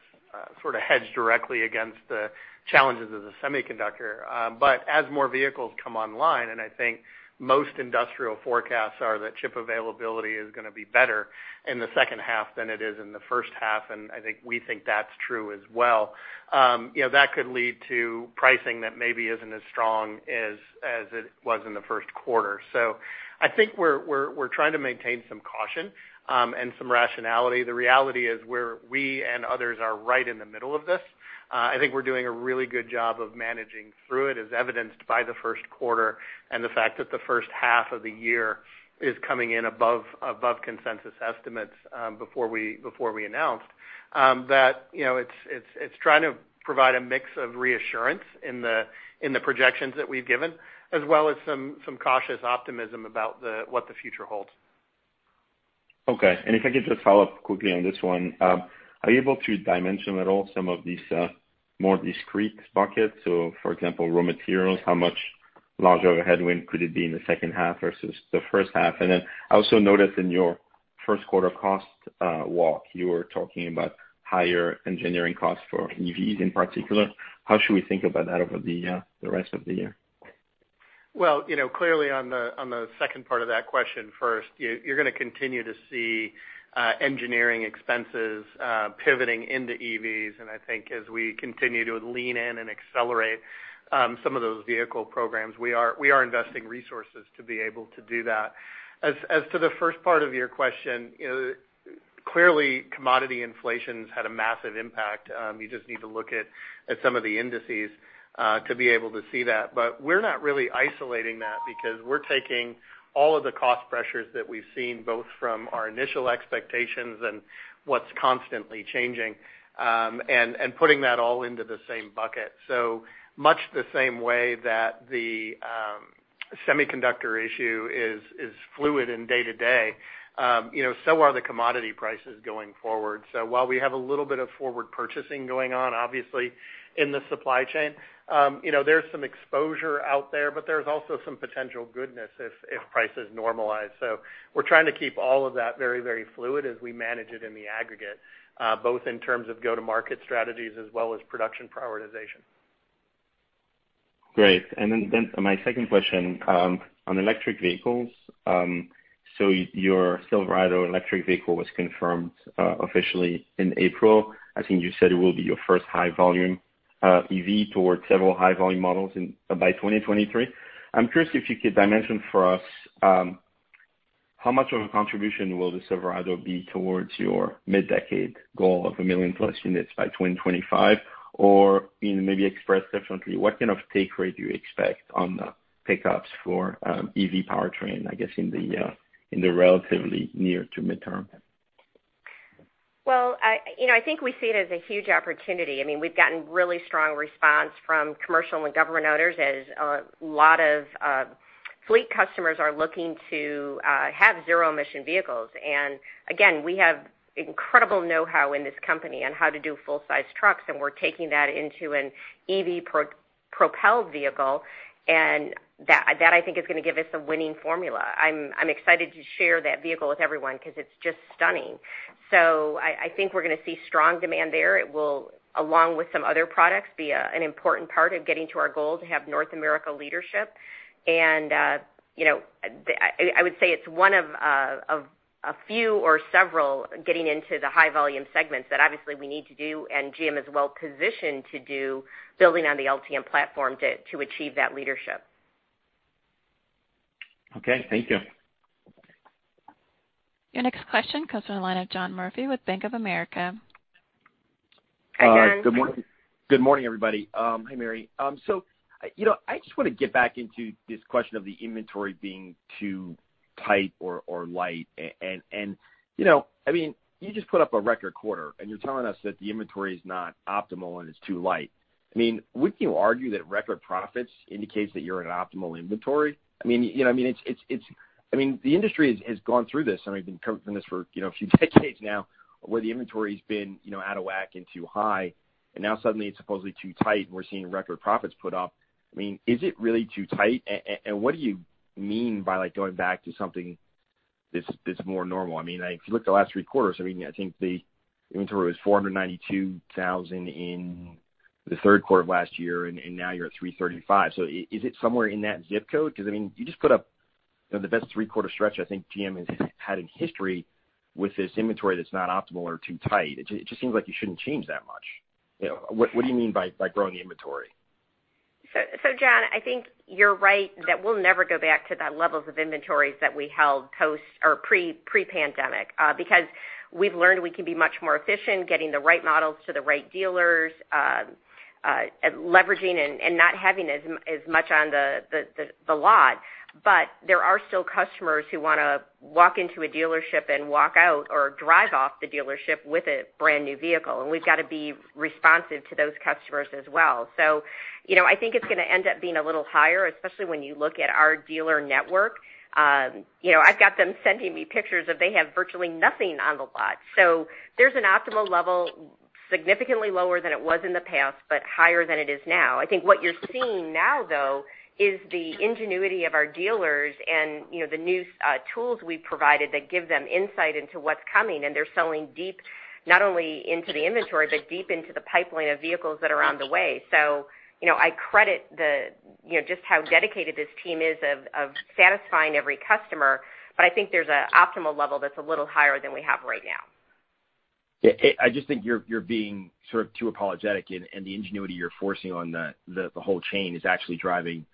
sort of hedged directly against the challenges of the semiconductor. As more vehicles come online, and I think most industrial forecasts are that chip availability is going to be better in the second half than it is in the first half, and I think we think that's true as well. That could lead to pricing that maybe isn't as strong as it was in the first quarter. I think we're trying to maintain some caution and some rationality. The reality is where we and others are right in the middle of this. I think we're doing a really good job of managing through it, as evidenced by the first quarter and the fact that the first half of the year is coming in above consensus estimates before we announced. That it's trying to provide a mix of reassurance in the projections that we've given, as well as some cautious optimism about what the future holds. Okay. If I could just follow up quickly on this one. Are you able to dimension at all some of these more discrete buckets? For example, raw materials, how much larger a headwind could it be in the second half versus the first half? I also noticed in your first quarter cost walk, you were talking about higher engineering costs for EVs in particular. How should we think about that over the rest of the year? Clearly on the second part of that question first, you're going to continue to see engineering expenses pivoting into EVs. I think as we continue to lean in and accelerate some of those vehicle programs, we are investing resources to be able to do that. As to the first part of your question, clearly commodity inflation's had a massive impact. You just need to look at some of the indices to be able to see that. We're not really isolating that because we're taking all of the cost pressures that we've seen, both from our initial expectations and what's constantly changing, and putting that all into the same bucket. Much the same way that the semiconductor issue is fluid in day to day, so are the commodity prices going forward. While we have a little bit of forward purchasing going on, obviously in the supply chain there's some exposure out there, but there's also some potential goodness if prices normalize. We're trying to keep all of that very fluid as we manage it in the aggregate both in terms of go-to-market strategies as well as production prioritization. Great. My second question, on electric vehicles. Your Silverado electric vehicle was confirmed officially in April. I think you said it will be your first high-volume EV towards several high-volume models by 2023. I'm curious if you could dimension for us, how much of a contribution will the Silverado be towards your mid-decade goal of a million-plus units by 2025? Maybe expressed differently, what kind of take rate do you expect on the pickups for EV powertrain, I guess, in the relatively near to midterm? Well, I think we see it as a huge opportunity. We've gotten really strong response from commercial and government owners as a lot of fleet customers are looking to have zero-emission vehicles. Again, we have incredible know-how in this company on how to do full-size trucks, and we're taking that into an EV-propelled vehicle, and that, I think, is going to give us a winning formula. I'm excited to share that vehicle with everyone because it's just stunning. I think we're going to see strong demand there. It will, along with some other products, be an important part of getting to our goal to have North America leadership. I would say it's one of a few or several getting into the high-volume segments that obviously we need to do, and GM is well-positioned to do, building on the Ultium platform to achieve that leadership. Okay. Thank you. Your next question comes from the line of John Murphy with Bank of America. Hi, John. Good morning, everybody. Hi, Mary. I just want to get back into this question of the inventory being too tight or light. You just put up a record quarter, and you're telling us that the inventory is not optimal and it's too light. Wouldn't you argue that record profits indicates that you're at optimal inventory? The industry has gone through this, and we've been covering this for a few decades now, where the inventory's been out of whack and too high, and now suddenly it's supposedly too tight, and we're seeing record profits put up. Is it really too tight? What do you mean by going back to something that's more normal? If you look at the last three quarters, I think the inventory was 492,000 in the third quarter of last year, and now you're at 335,000. Is it somewhere in that ZIP code? You just put up the best three-quarter stretch I think GM has had in history with this inventory that's not optimal or too tight. It just seems like you shouldn't change that much. What do you mean by growing the inventory? John, I think you're right that we'll never go back to that levels of inventories that we held pre-pandemic, because we've learned we can be much more efficient getting the right models to the right dealers, leveraging and not having as much on the lot. There are still customers who want to walk into a dealership and walk out or drive off the dealership with a brand-new vehicle, and we've got to be responsive to those customers as well. I think it's going to end up being a little higher, especially when you look at our dealer network. I've got them sending me pictures of they have virtually nothing on the lot. There's an optimal level significantly lower than it was in the past, but higher than it is now. I think what you're seeing now, though, is the ingenuity of our dealers and the new tools we've provided that give them insight into what's coming, and they're selling deep, not only into the inventory, but deep into the pipeline of vehicles that are on the way. I credit just how dedicated this team is of satisfying every customer, but I think there's an optimal level that's a little higher than we have right now. I just think you're being sort of too apologetic, and the ingenuity you're forcing on the whole chain is actually driving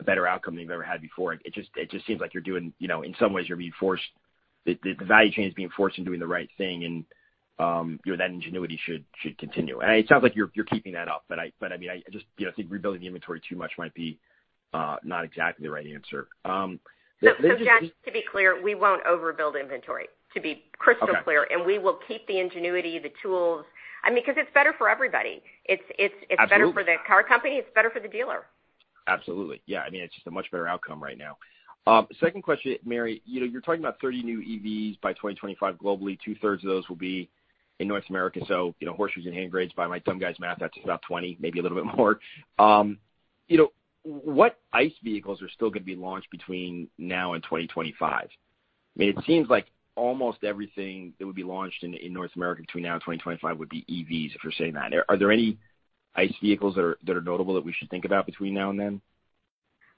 a better outcome than you've ever had before. It just seems like you're doing, in some ways, the value chain is being forced into doing the right thing, and that ingenuity should continue. It sounds like you're keeping that up, but I just think rebuilding the inventory too much might be not exactly the right answer. John, to be clear, we won't overbuild inventory, to be crystal clear. Okay. We will keep the ingenuity, the tools. Because it's better for everybody. Absolutely. It's better for the car company, it's better for the dealer. Absolutely. Yeah. It's just a much better outcome right now. Second question, Mary. You're talking about 30 new EVs by 2025 globally, 2/3 of those will be in North America. Horseshoes and hang grenades, by my dumb guy's math, that's about 20, maybe a little bit more. What ICE vehicles are still going to be launched between now and 2025? It seems like almost everything that would be launched in North America between now and 2025 would be EVs if you're saying that. Are there any ICE vehicles that are notable that we should think about between now and then?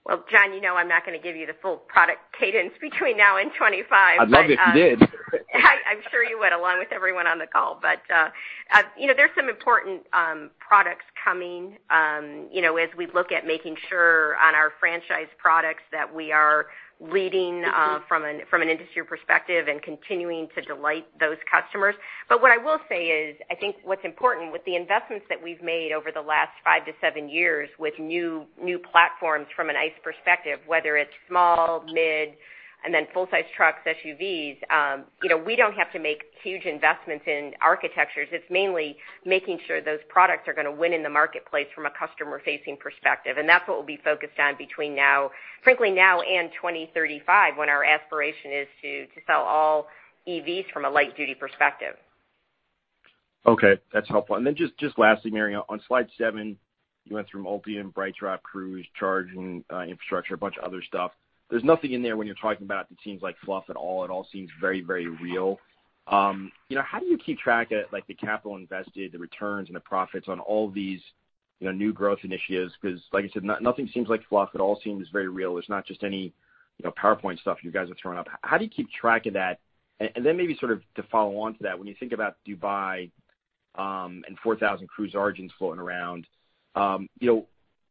Well, John, you know I'm not going to give you the full product cadence between now and 2025. I'd love if you did. I'm sure you would, along with everyone on the call. There's some important products coming as we look at making sure on our franchise products that we are leading from an industry perspective and continuing to delight those customers. What I will say is, I think what's important with the investments that we've made over the last five to seven years with new platforms from an ICE perspective, whether it's small, mid, and then full-size trucks, SUVs, we don't have to make huge investments in architectures. It's mainly making sure those products are going to win in the marketplace from a customer-facing perspective, and that's what we'll be focused on between now, frankly now and 2035, when our aspiration is to sell all EVs from a light-duty perspective. Okay. That's helpful. Then just lastly, Mary, on slide seven, you went through Ultium, BrightDrop, Cruise, charging infrastructure, a bunch of other stuff. There's nothing in there when you're talking about that seems like fluff at all. It all seems very, very real. How do you keep track of the capital invested, the returns and the profits on all these new growth initiatives, because like you said, nothing seems like fluff. It all seems very real. It's not just any PowerPoint stuff you guys are throwing up. How do you keep track of that? Then maybe to follow on to that, when you think about Dubai, and 4,000 Cruise Origins floating around,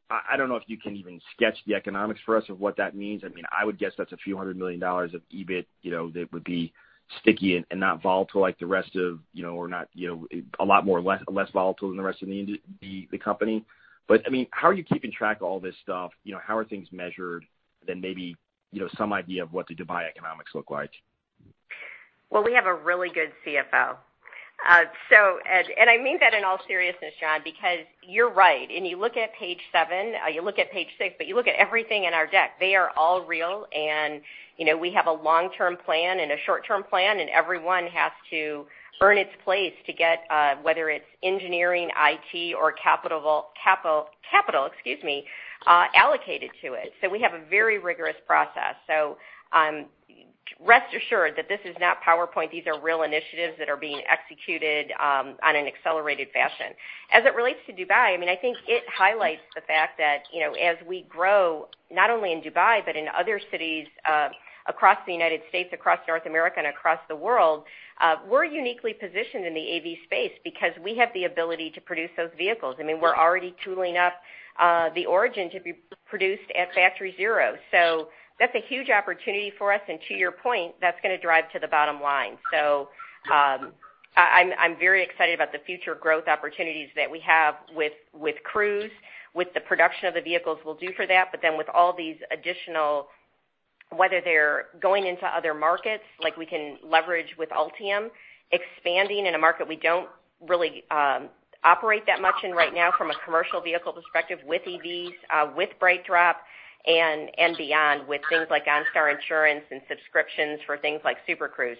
I don't know if you can even sketch the economics for us of what that means. I would guess that's a few hundred million dollars of EBIT, that would be sticky and not volatile or a lot more less volatile than the rest of the company. How are you keeping track of all this stuff? How are things measured, maybe, some idea of what the Dubai economics look like? Well, we have a really good CFO. I mean that in all seriousness, John, because you're right. You look at page seven, you look at page six, but you look at everything in our deck. They are all real and we have a long-term plan and a short-term plan, and everyone has to earn its place to get, whether it's engineering, IT, or capital allocated to it. We have a very rigorous process. Rest assured that this is not PowerPoint. These are real initiatives that are being executed on an accelerated fashion. As it relates to Dubai, I think it highlights the fact that, as we grow, not only in Dubai but in other cities across the United States, across North America, and across the world, we're uniquely positioned in the AV space because we have the ability to produce those vehicles. We're already tooling up the Origin to be produced at Factory Zero. That's a huge opportunity for us, and to your point, that's going to drive to the bottom line. I'm very excited about the future growth opportunities that we have with Cruise, with the production of the vehicles we'll do for that. With all these additional, whether they're going into other markets, like we can leverage with Ultium, expanding in a market we don't really operate that much in right now from a commercial vehicle perspective with EVs, with BrightDrop, and beyond with things like OnStar Insurance and subscriptions for things like Super Cruise.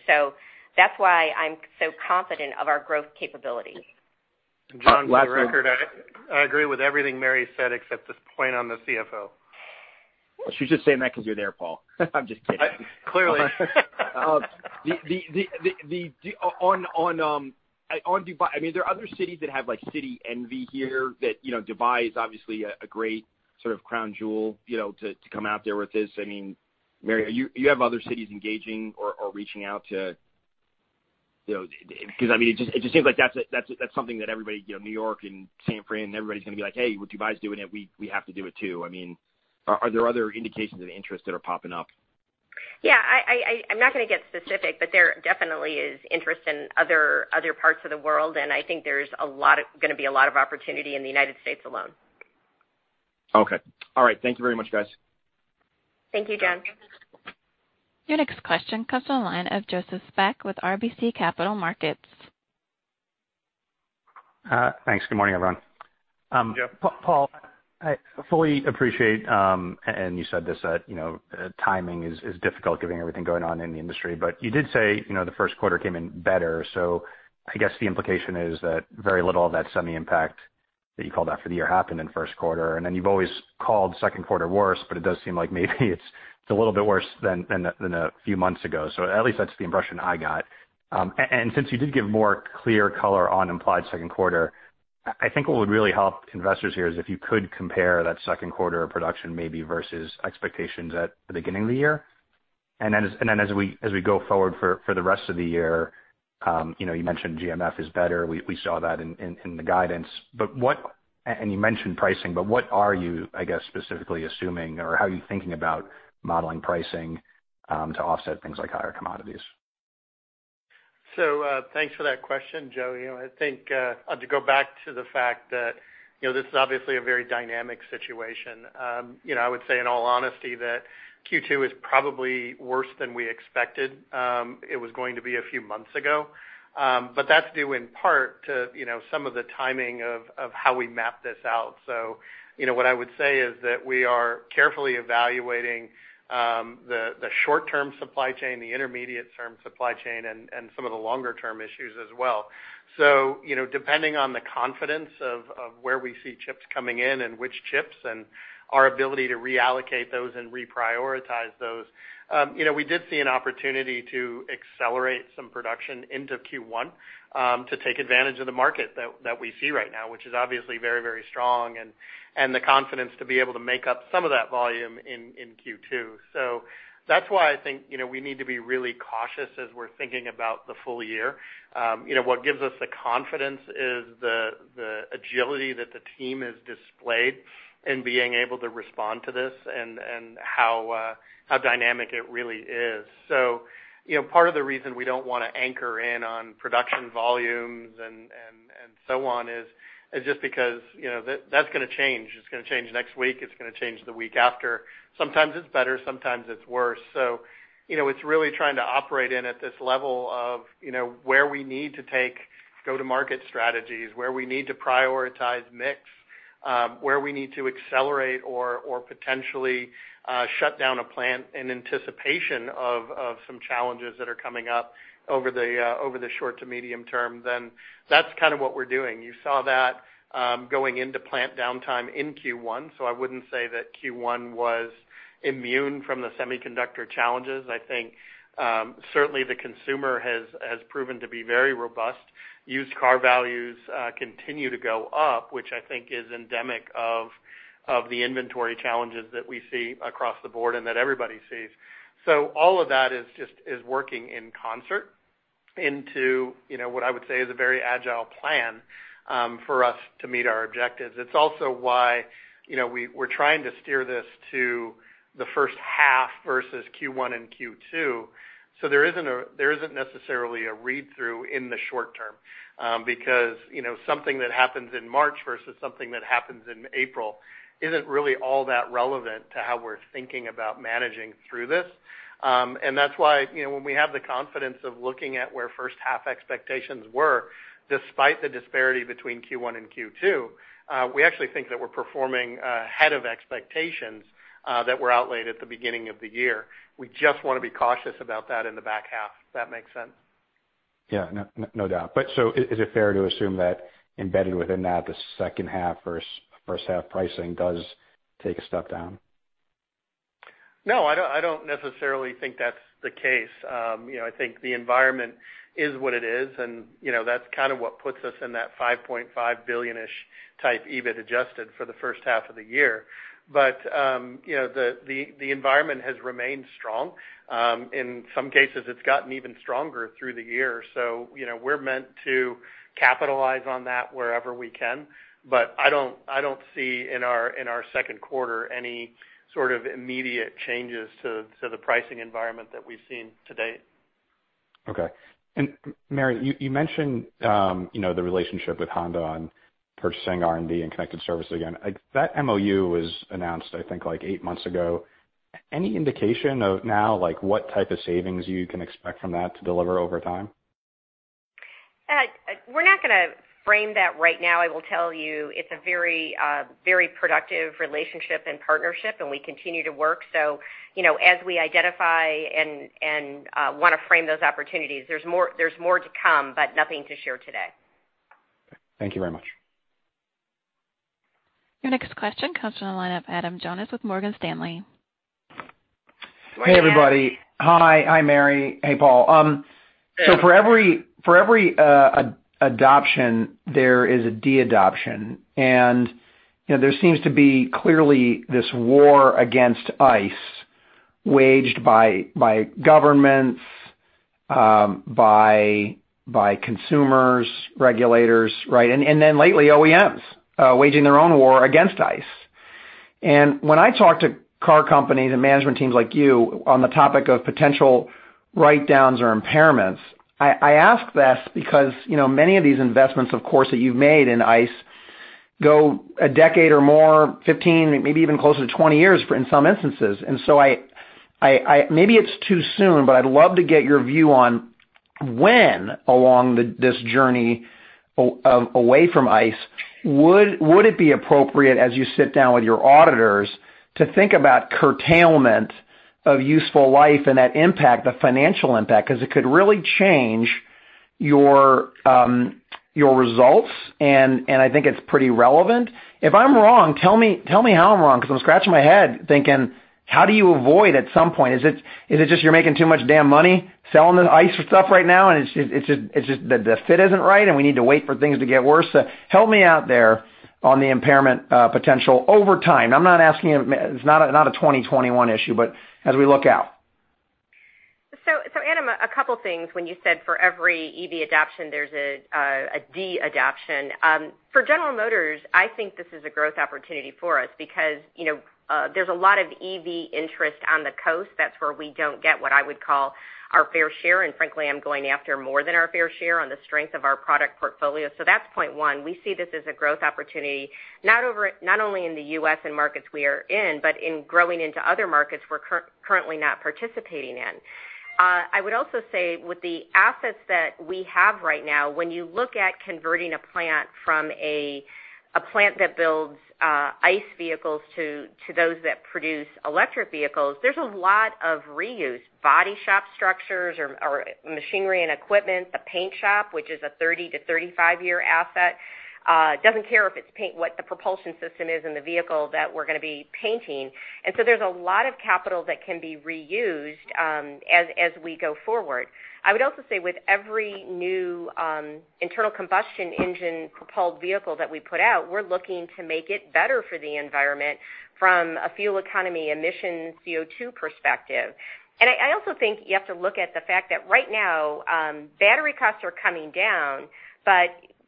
That's why I'm so confident of our growth capabilities. John, for the record, I agree with everything Mary said except the point on the CFO. She's just saying that because you're there, Paul. I'm just kidding. Clearly. On Dubai, there are other cities that have city envy here that Dubai is obviously a great sort of crown jewel, to come out there with this. Mary, are other cities engaging or reaching out to? It just seems like that's something that everybody, New York and San Fran, everybody's going to be like, "Hey, with Dubai's doing it, we have to do it, too." Are there other indications of interest that are popping up? Yeah. I'm not going to get specific, but there definitely is interest in other parts of the world, and I think there's going to be a lot of opportunity in the U.S. alone. Okay. All right. Thank you very much, guys. Thank you, John. Your next question comes on the line of Joseph Spak with RBC Capital Markets. Thanks. Good morning, everyone. Paul, I fully appreciate, and you said this, that timing is difficult given everything going on in the industry. You did say the first quarter came in better. I guess the implication is that very little of that semi impact that you called out for the year happened in first quarter, you've always called second quarter worse, it does seem like maybe it's a little bit worse than a few months ago. At least that's the impression I got. Since you did give more clear color on implied second quarter, I think what would really help investors here is if you could compare that second quarter production maybe versus expectations at the beginning of the year. As we go forward for the rest of the year, you mentioned GMF is better. We saw that in the guidance. You mentioned pricing, what are you, I guess, specifically assuming, or how are you thinking about modeling pricing to offset things like higher commodities? Thanks for that question, Joe. I think to go back to the fact that this is obviously a very dynamic situation. I would say in all honesty that Q2 is probably worse than we expected it was going to be a few months ago. That's due in part to some of the timing of how we map this out. What I would say is that we are carefully evaluating the short-term supply chain, the intermediate-term supply chain, and some of the longer-term issues as well. Depending on the confidence of where we see chips coming in and which chips and our ability to reallocate those and reprioritize those. We did see an opportunity to accelerate some production into Q1 to take advantage of the market that we see right now, which is obviously very, very strong, and the confidence to be able to make up some of that volume in Q2. That's why I think we need to be really cautious as we're thinking about the full year. What gives us the confidence is the agility that the team has displayed in being able to respond to this and how dynamic it really is. Part of the reason we don't want to anchor in on production volumes and so on is just because that's going to change. It's going to change next week. It's going to change the week after. Sometimes it's better, sometimes it's worse. It's really trying to operate in at this level of where we need to take go-to-market strategies, where we need to prioritize mix, where we need to accelerate or potentially shut down a plant in anticipation of some challenges that are coming up over the short to medium term. That's kind of what we're doing. You saw that going into plant downtime in Q1. I wouldn't say that Q1 was immune from the semiconductor challenges. I think certainly the consumer has proven to be very robust. Used car values continue to go up, which I think is endemic of the inventory challenges that we see across the board and that everybody sees. All of that is working in concert into what I would say is a very agile plan for us to meet our objectives. It's also why we're trying to steer this to the first half versus Q1 and Q2. There isn't necessarily a read-through in the short term, because something that happens in March versus something that happens in April isn't really all that relevant to how we're thinking about managing through this. That's why when we have the confidence of looking at where first half expectations were, despite the disparity between Q1 and Q2, we actually think that we're performing ahead of expectations that were outlaid at the beginning of the year. We just want to be cautious about that in the back half, if that makes sense. Yeah, no doubt. Is it fair to assume that embedded within that, the second half versus first half pricing does take a step down? No, I don't necessarily think that's the case. I think the environment is what it is, and that's kind of what puts us in that $5.5 billion-ish type EBIT adjusted for the first half of the year. The environment has remained strong. In some cases, it's gotten even stronger through the year. We're meant to capitalize on that wherever we can. I don't see in our second quarter any sort of immediate changes to the pricing environment that we've seen to date. Okay. Mary, you mentioned the relationship with Honda on purchasing R&D and connected service. Again, that MOU was announced, I think eight months ago. Any indication of now, what type of savings you can expect from that to deliver over time? We're not going to frame that right now. I will tell you it's a very productive relationship and partnership, and we continue to work. As we identify and want to frame those opportunities, there's more to come, but nothing to share today. Thank you very much. Your next question comes from the line of Adam Jonas with Morgan Stanley. Hey, everybody. Hi, Mary. Hey, Paul. Hey. For every adoption, there is a de-adoption. There seems to be clearly this war against ICE waged by governments, by consumers, regulators. Lately, OEMs waging their own war against ICE. When I talk to car companies and management teams like you on the topic of potential write-downs or impairments, I ask this because many of these investments, of course, that you've made in ICE go a decade or more, 15, maybe even closer to 20 years in some instances. Maybe it's too soon, but I'd love to get your view on when along this journey away from ICE would it be appropriate as you sit down with your auditors to think about curtailment of useful life and that impact, the financial impact? It could really change your results, and I think it's pretty relevant. If I'm wrong, tell me how I'm wrong because I'm scratching my head thinking, how do you avoid at some point? Is it just you're making too much damn money selling the ICE stuff right now, and it's just that the fit isn't right, and we need to wait for things to get worse? Help me out there on the impairment potential over time. I'm not asking, it's not a 2021 issue, but as we look out. Adam, a couple things when you said for every EV adoption, there's a de-adoption. For General Motors, I think this is a growth opportunity for us because there's a lot of EV interest on the coast. That's where we don't get what I would call our fair share. Frankly, I'm going after more than our fair share on the strength of our product portfolio. That's point one. We see this as a growth opportunity, not only in the U.S. and markets we are in, but in growing into other markets we're currently not participating in. I would also say with the assets that we have right now, when you look at converting a plant from a plant that builds ICE vehicles to those that produce electric vehicles, there's a lot of reuse. Body shop structures or machinery and equipment, the paint shop, which is a 30-35-year asset, doesn't care what the propulsion system is in the vehicle that we're going to be painting. There's a lot of capital that can be reused as we go forward. I would also say with every new internal combustion engine-propelled vehicle that we put out, we're looking to make it better for the environment from a fuel economy emissions CO2 perspective. I also think you have to look at the fact that right now, battery costs are coming down.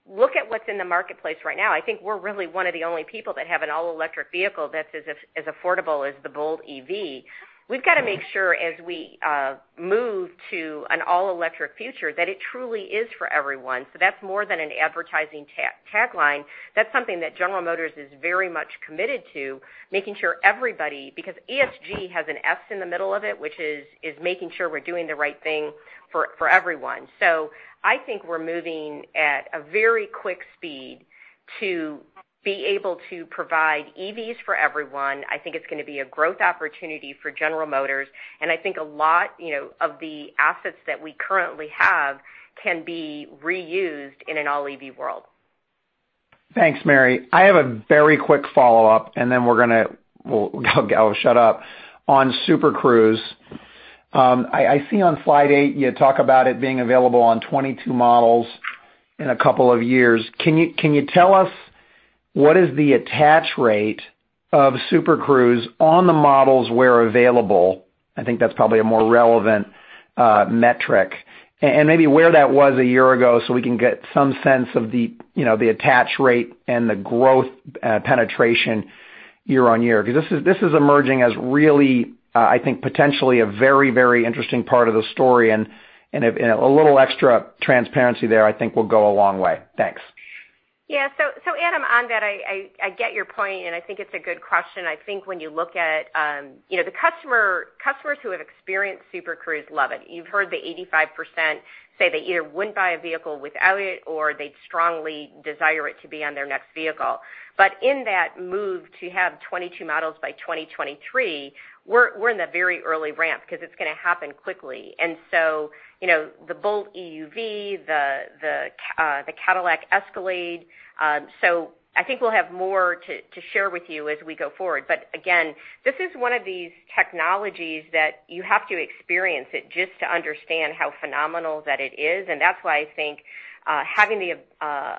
Look at what's in the marketplace right now. I think we're really one of the only people that have an all-electric vehicle that's as affordable as the Bolt EV. We've got to make sure as we move to an all-electric future that it truly is for everyone. That's more than an advertising tagline. That's something that General Motors is very much committed to, making sure everybody, because ESG has an S in the middle of it, which is making sure we're doing the right thing for everyone. I think we're moving at a very quick speed to be able to provide EVs for everyone. I think it's going to be a growth opportunity for General Motors. I think a lot of the assets that we currently have can be reused in an all-EV world. Thanks, Mary. I have a very quick follow-up, and then I'll shut up. On Super Cruise, I see on slide eight, you talk about it being available on 22 models in a couple of years. Can you tell us what is the attach rate of Super Cruise on the models where available? I think that's probably a more relevant metric. Maybe where that was a year ago, so we can get some sense of the attach rate and the growth penetration year-over-year. This is emerging as really, I think, potentially a very interesting part of the story, and a little extra transparency there, I think, will go a long way. Thanks. Yeah. Adam, on that, I get your point, and I think it's a good question. I think when you look at the customers who have experienced Super Cruise love it. You've heard that 85% say they either wouldn't buy a vehicle without it, or they'd strongly desire it to be on their next vehicle. In that move to have 22 models by 2023, we're in the very early ramp because it's going to happen quickly. The Bolt EUV, the Cadillac Escalade. I think we'll have more to share with you as we go forward. Again, this is one of these technologies that you have to experience it just to understand how phenomenal that it is. That's why I think having the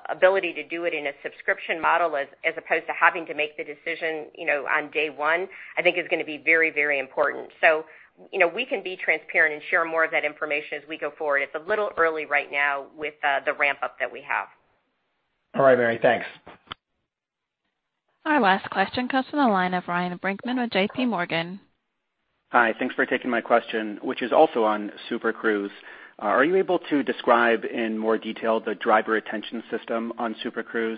ability to do it in a subscription model, as opposed to having to make the decision on day one, I think is going to be very important. We can be transparent and share more of that information as we go forward. It's a little early right now with the ramp-up that we have. All right, Mary, thanks. Our last question comes from the line of Ryan Brinkman with JPMorgan. Hi. Thanks for taking my question, which is also on Super Cruise. Are you able to describe in more detail the driver attention system on Super Cruise?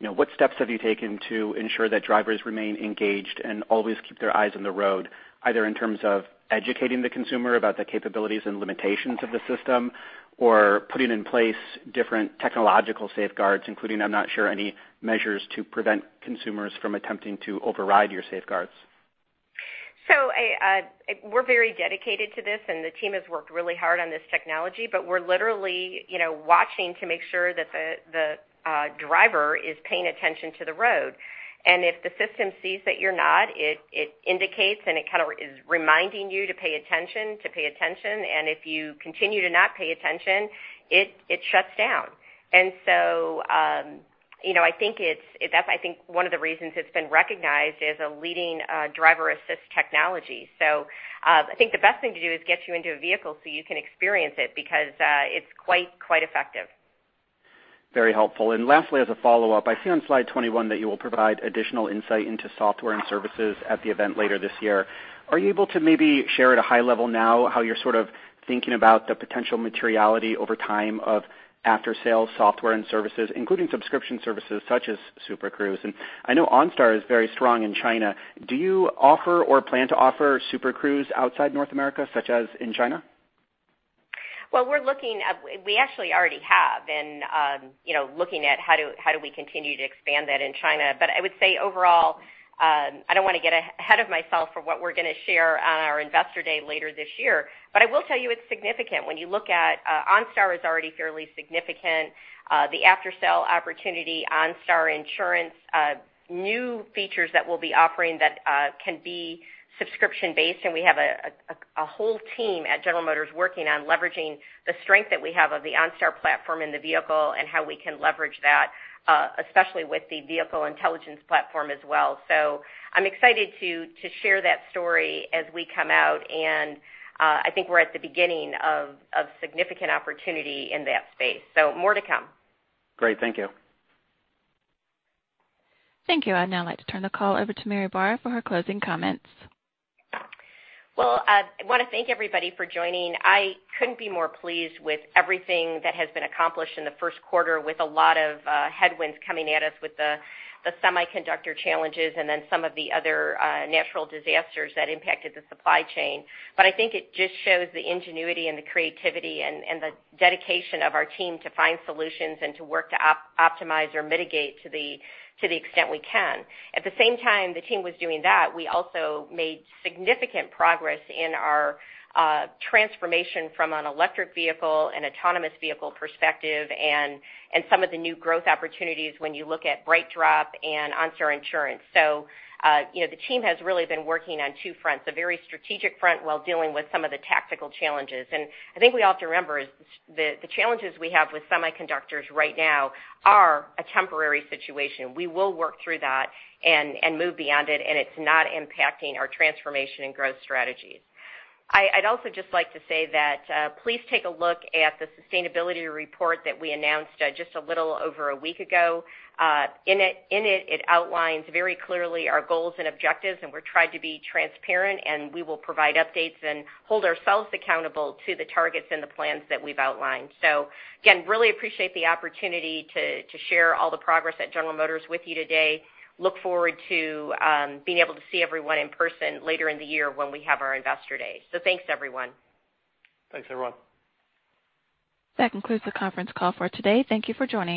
What steps have you taken to ensure that drivers remain engaged and always keep their eyes on the road, either in terms of educating the consumer about the capabilities and limitations of the system, or putting in place different technological safeguards, including, I'm not sure, any measures to prevent consumers from attempting to override your safeguards? We're very dedicated to this, and the team has worked really hard on this technology, but we're literally watching to make sure that the driver is paying attention to the road. If the system sees that you're not, it indicates, and it kind of is reminding you to pay attention. If you continue to not pay attention, it shuts down. I think one of the reasons it's been recognized is a leading driver-assist technology. I think the best thing to do is get you into a vehicle so you can experience it, because it's quite effective. Very helpful. Lastly, as a follow-up, I see on slide 21 that you will provide additional insight into software and services at the event later this year. Are you able to maybe share at a high level now how you're sort of thinking about the potential materiality over time of after-sale software and services, including subscription services such as Super Cruise? I know OnStar is very strong in China. Do you offer or plan to offer Super Cruise outside North America, such as in China? Well, we actually already have, looking at how do we continue to expand that in China. I would say overall, I don't want to get ahead of myself for what we're going to share on our Investor Day later this year. I will tell you it's significant. When you look at OnStar is already fairly significant. The after-sale opportunity, OnStar Insurance, new features that we'll be offering that can be subscription-based, and we have a whole team at General Motors working on leveraging the strength that we have of the OnStar platform in the vehicle and how we can leverage that, especially with the Vehicle Intelligence Platform as well. I'm excited to share that story as we come out, and I think we're at the beginning of significant opportunity in that space. More to come. Great. Thank you. Thank you. I'd now like to turn the call over to Mary Barra for her closing comments. Well, I want to thank everybody for joining. I couldn't be more pleased with everything that has been accomplished in the first quarter with a lot of headwinds coming at us with the semiconductor challenges and then some of the other natural disasters that impacted the supply chain. I think it just shows the ingenuity and the creativity and the dedication of our team to find solutions and to work to optimize or mitigate to the extent we can. At the same time the team was doing that, we also made significant progress in our transformation from an electric vehicle and autonomous vehicle perspective and some of the new growth opportunities when you look at BrightDrop and OnStar Insurance. The team has really been working on two fronts, a very strategic front while dealing with some of the tactical challenges. I think we all have to remember is the challenges we have with semiconductors right now are a temporary situation. We will work through that and move beyond it, and it's not impacting our transformation and growth strategies. I'd also just like to say that please take a look at the sustainability report that we announced just a little over a week ago. In it outlines very clearly our goals and objectives, and we tried to be transparent, and we will provide updates and hold ourselves accountable to the targets and the plans that we've outlined. Again, really appreciate the opportunity to share all the progress at General Motors with you today. Look forward to being able to see everyone in person later in the year when we have our Investor Day. Thanks, everyone. Thanks, everyone. That concludes the conference call for today. Thank you for joining.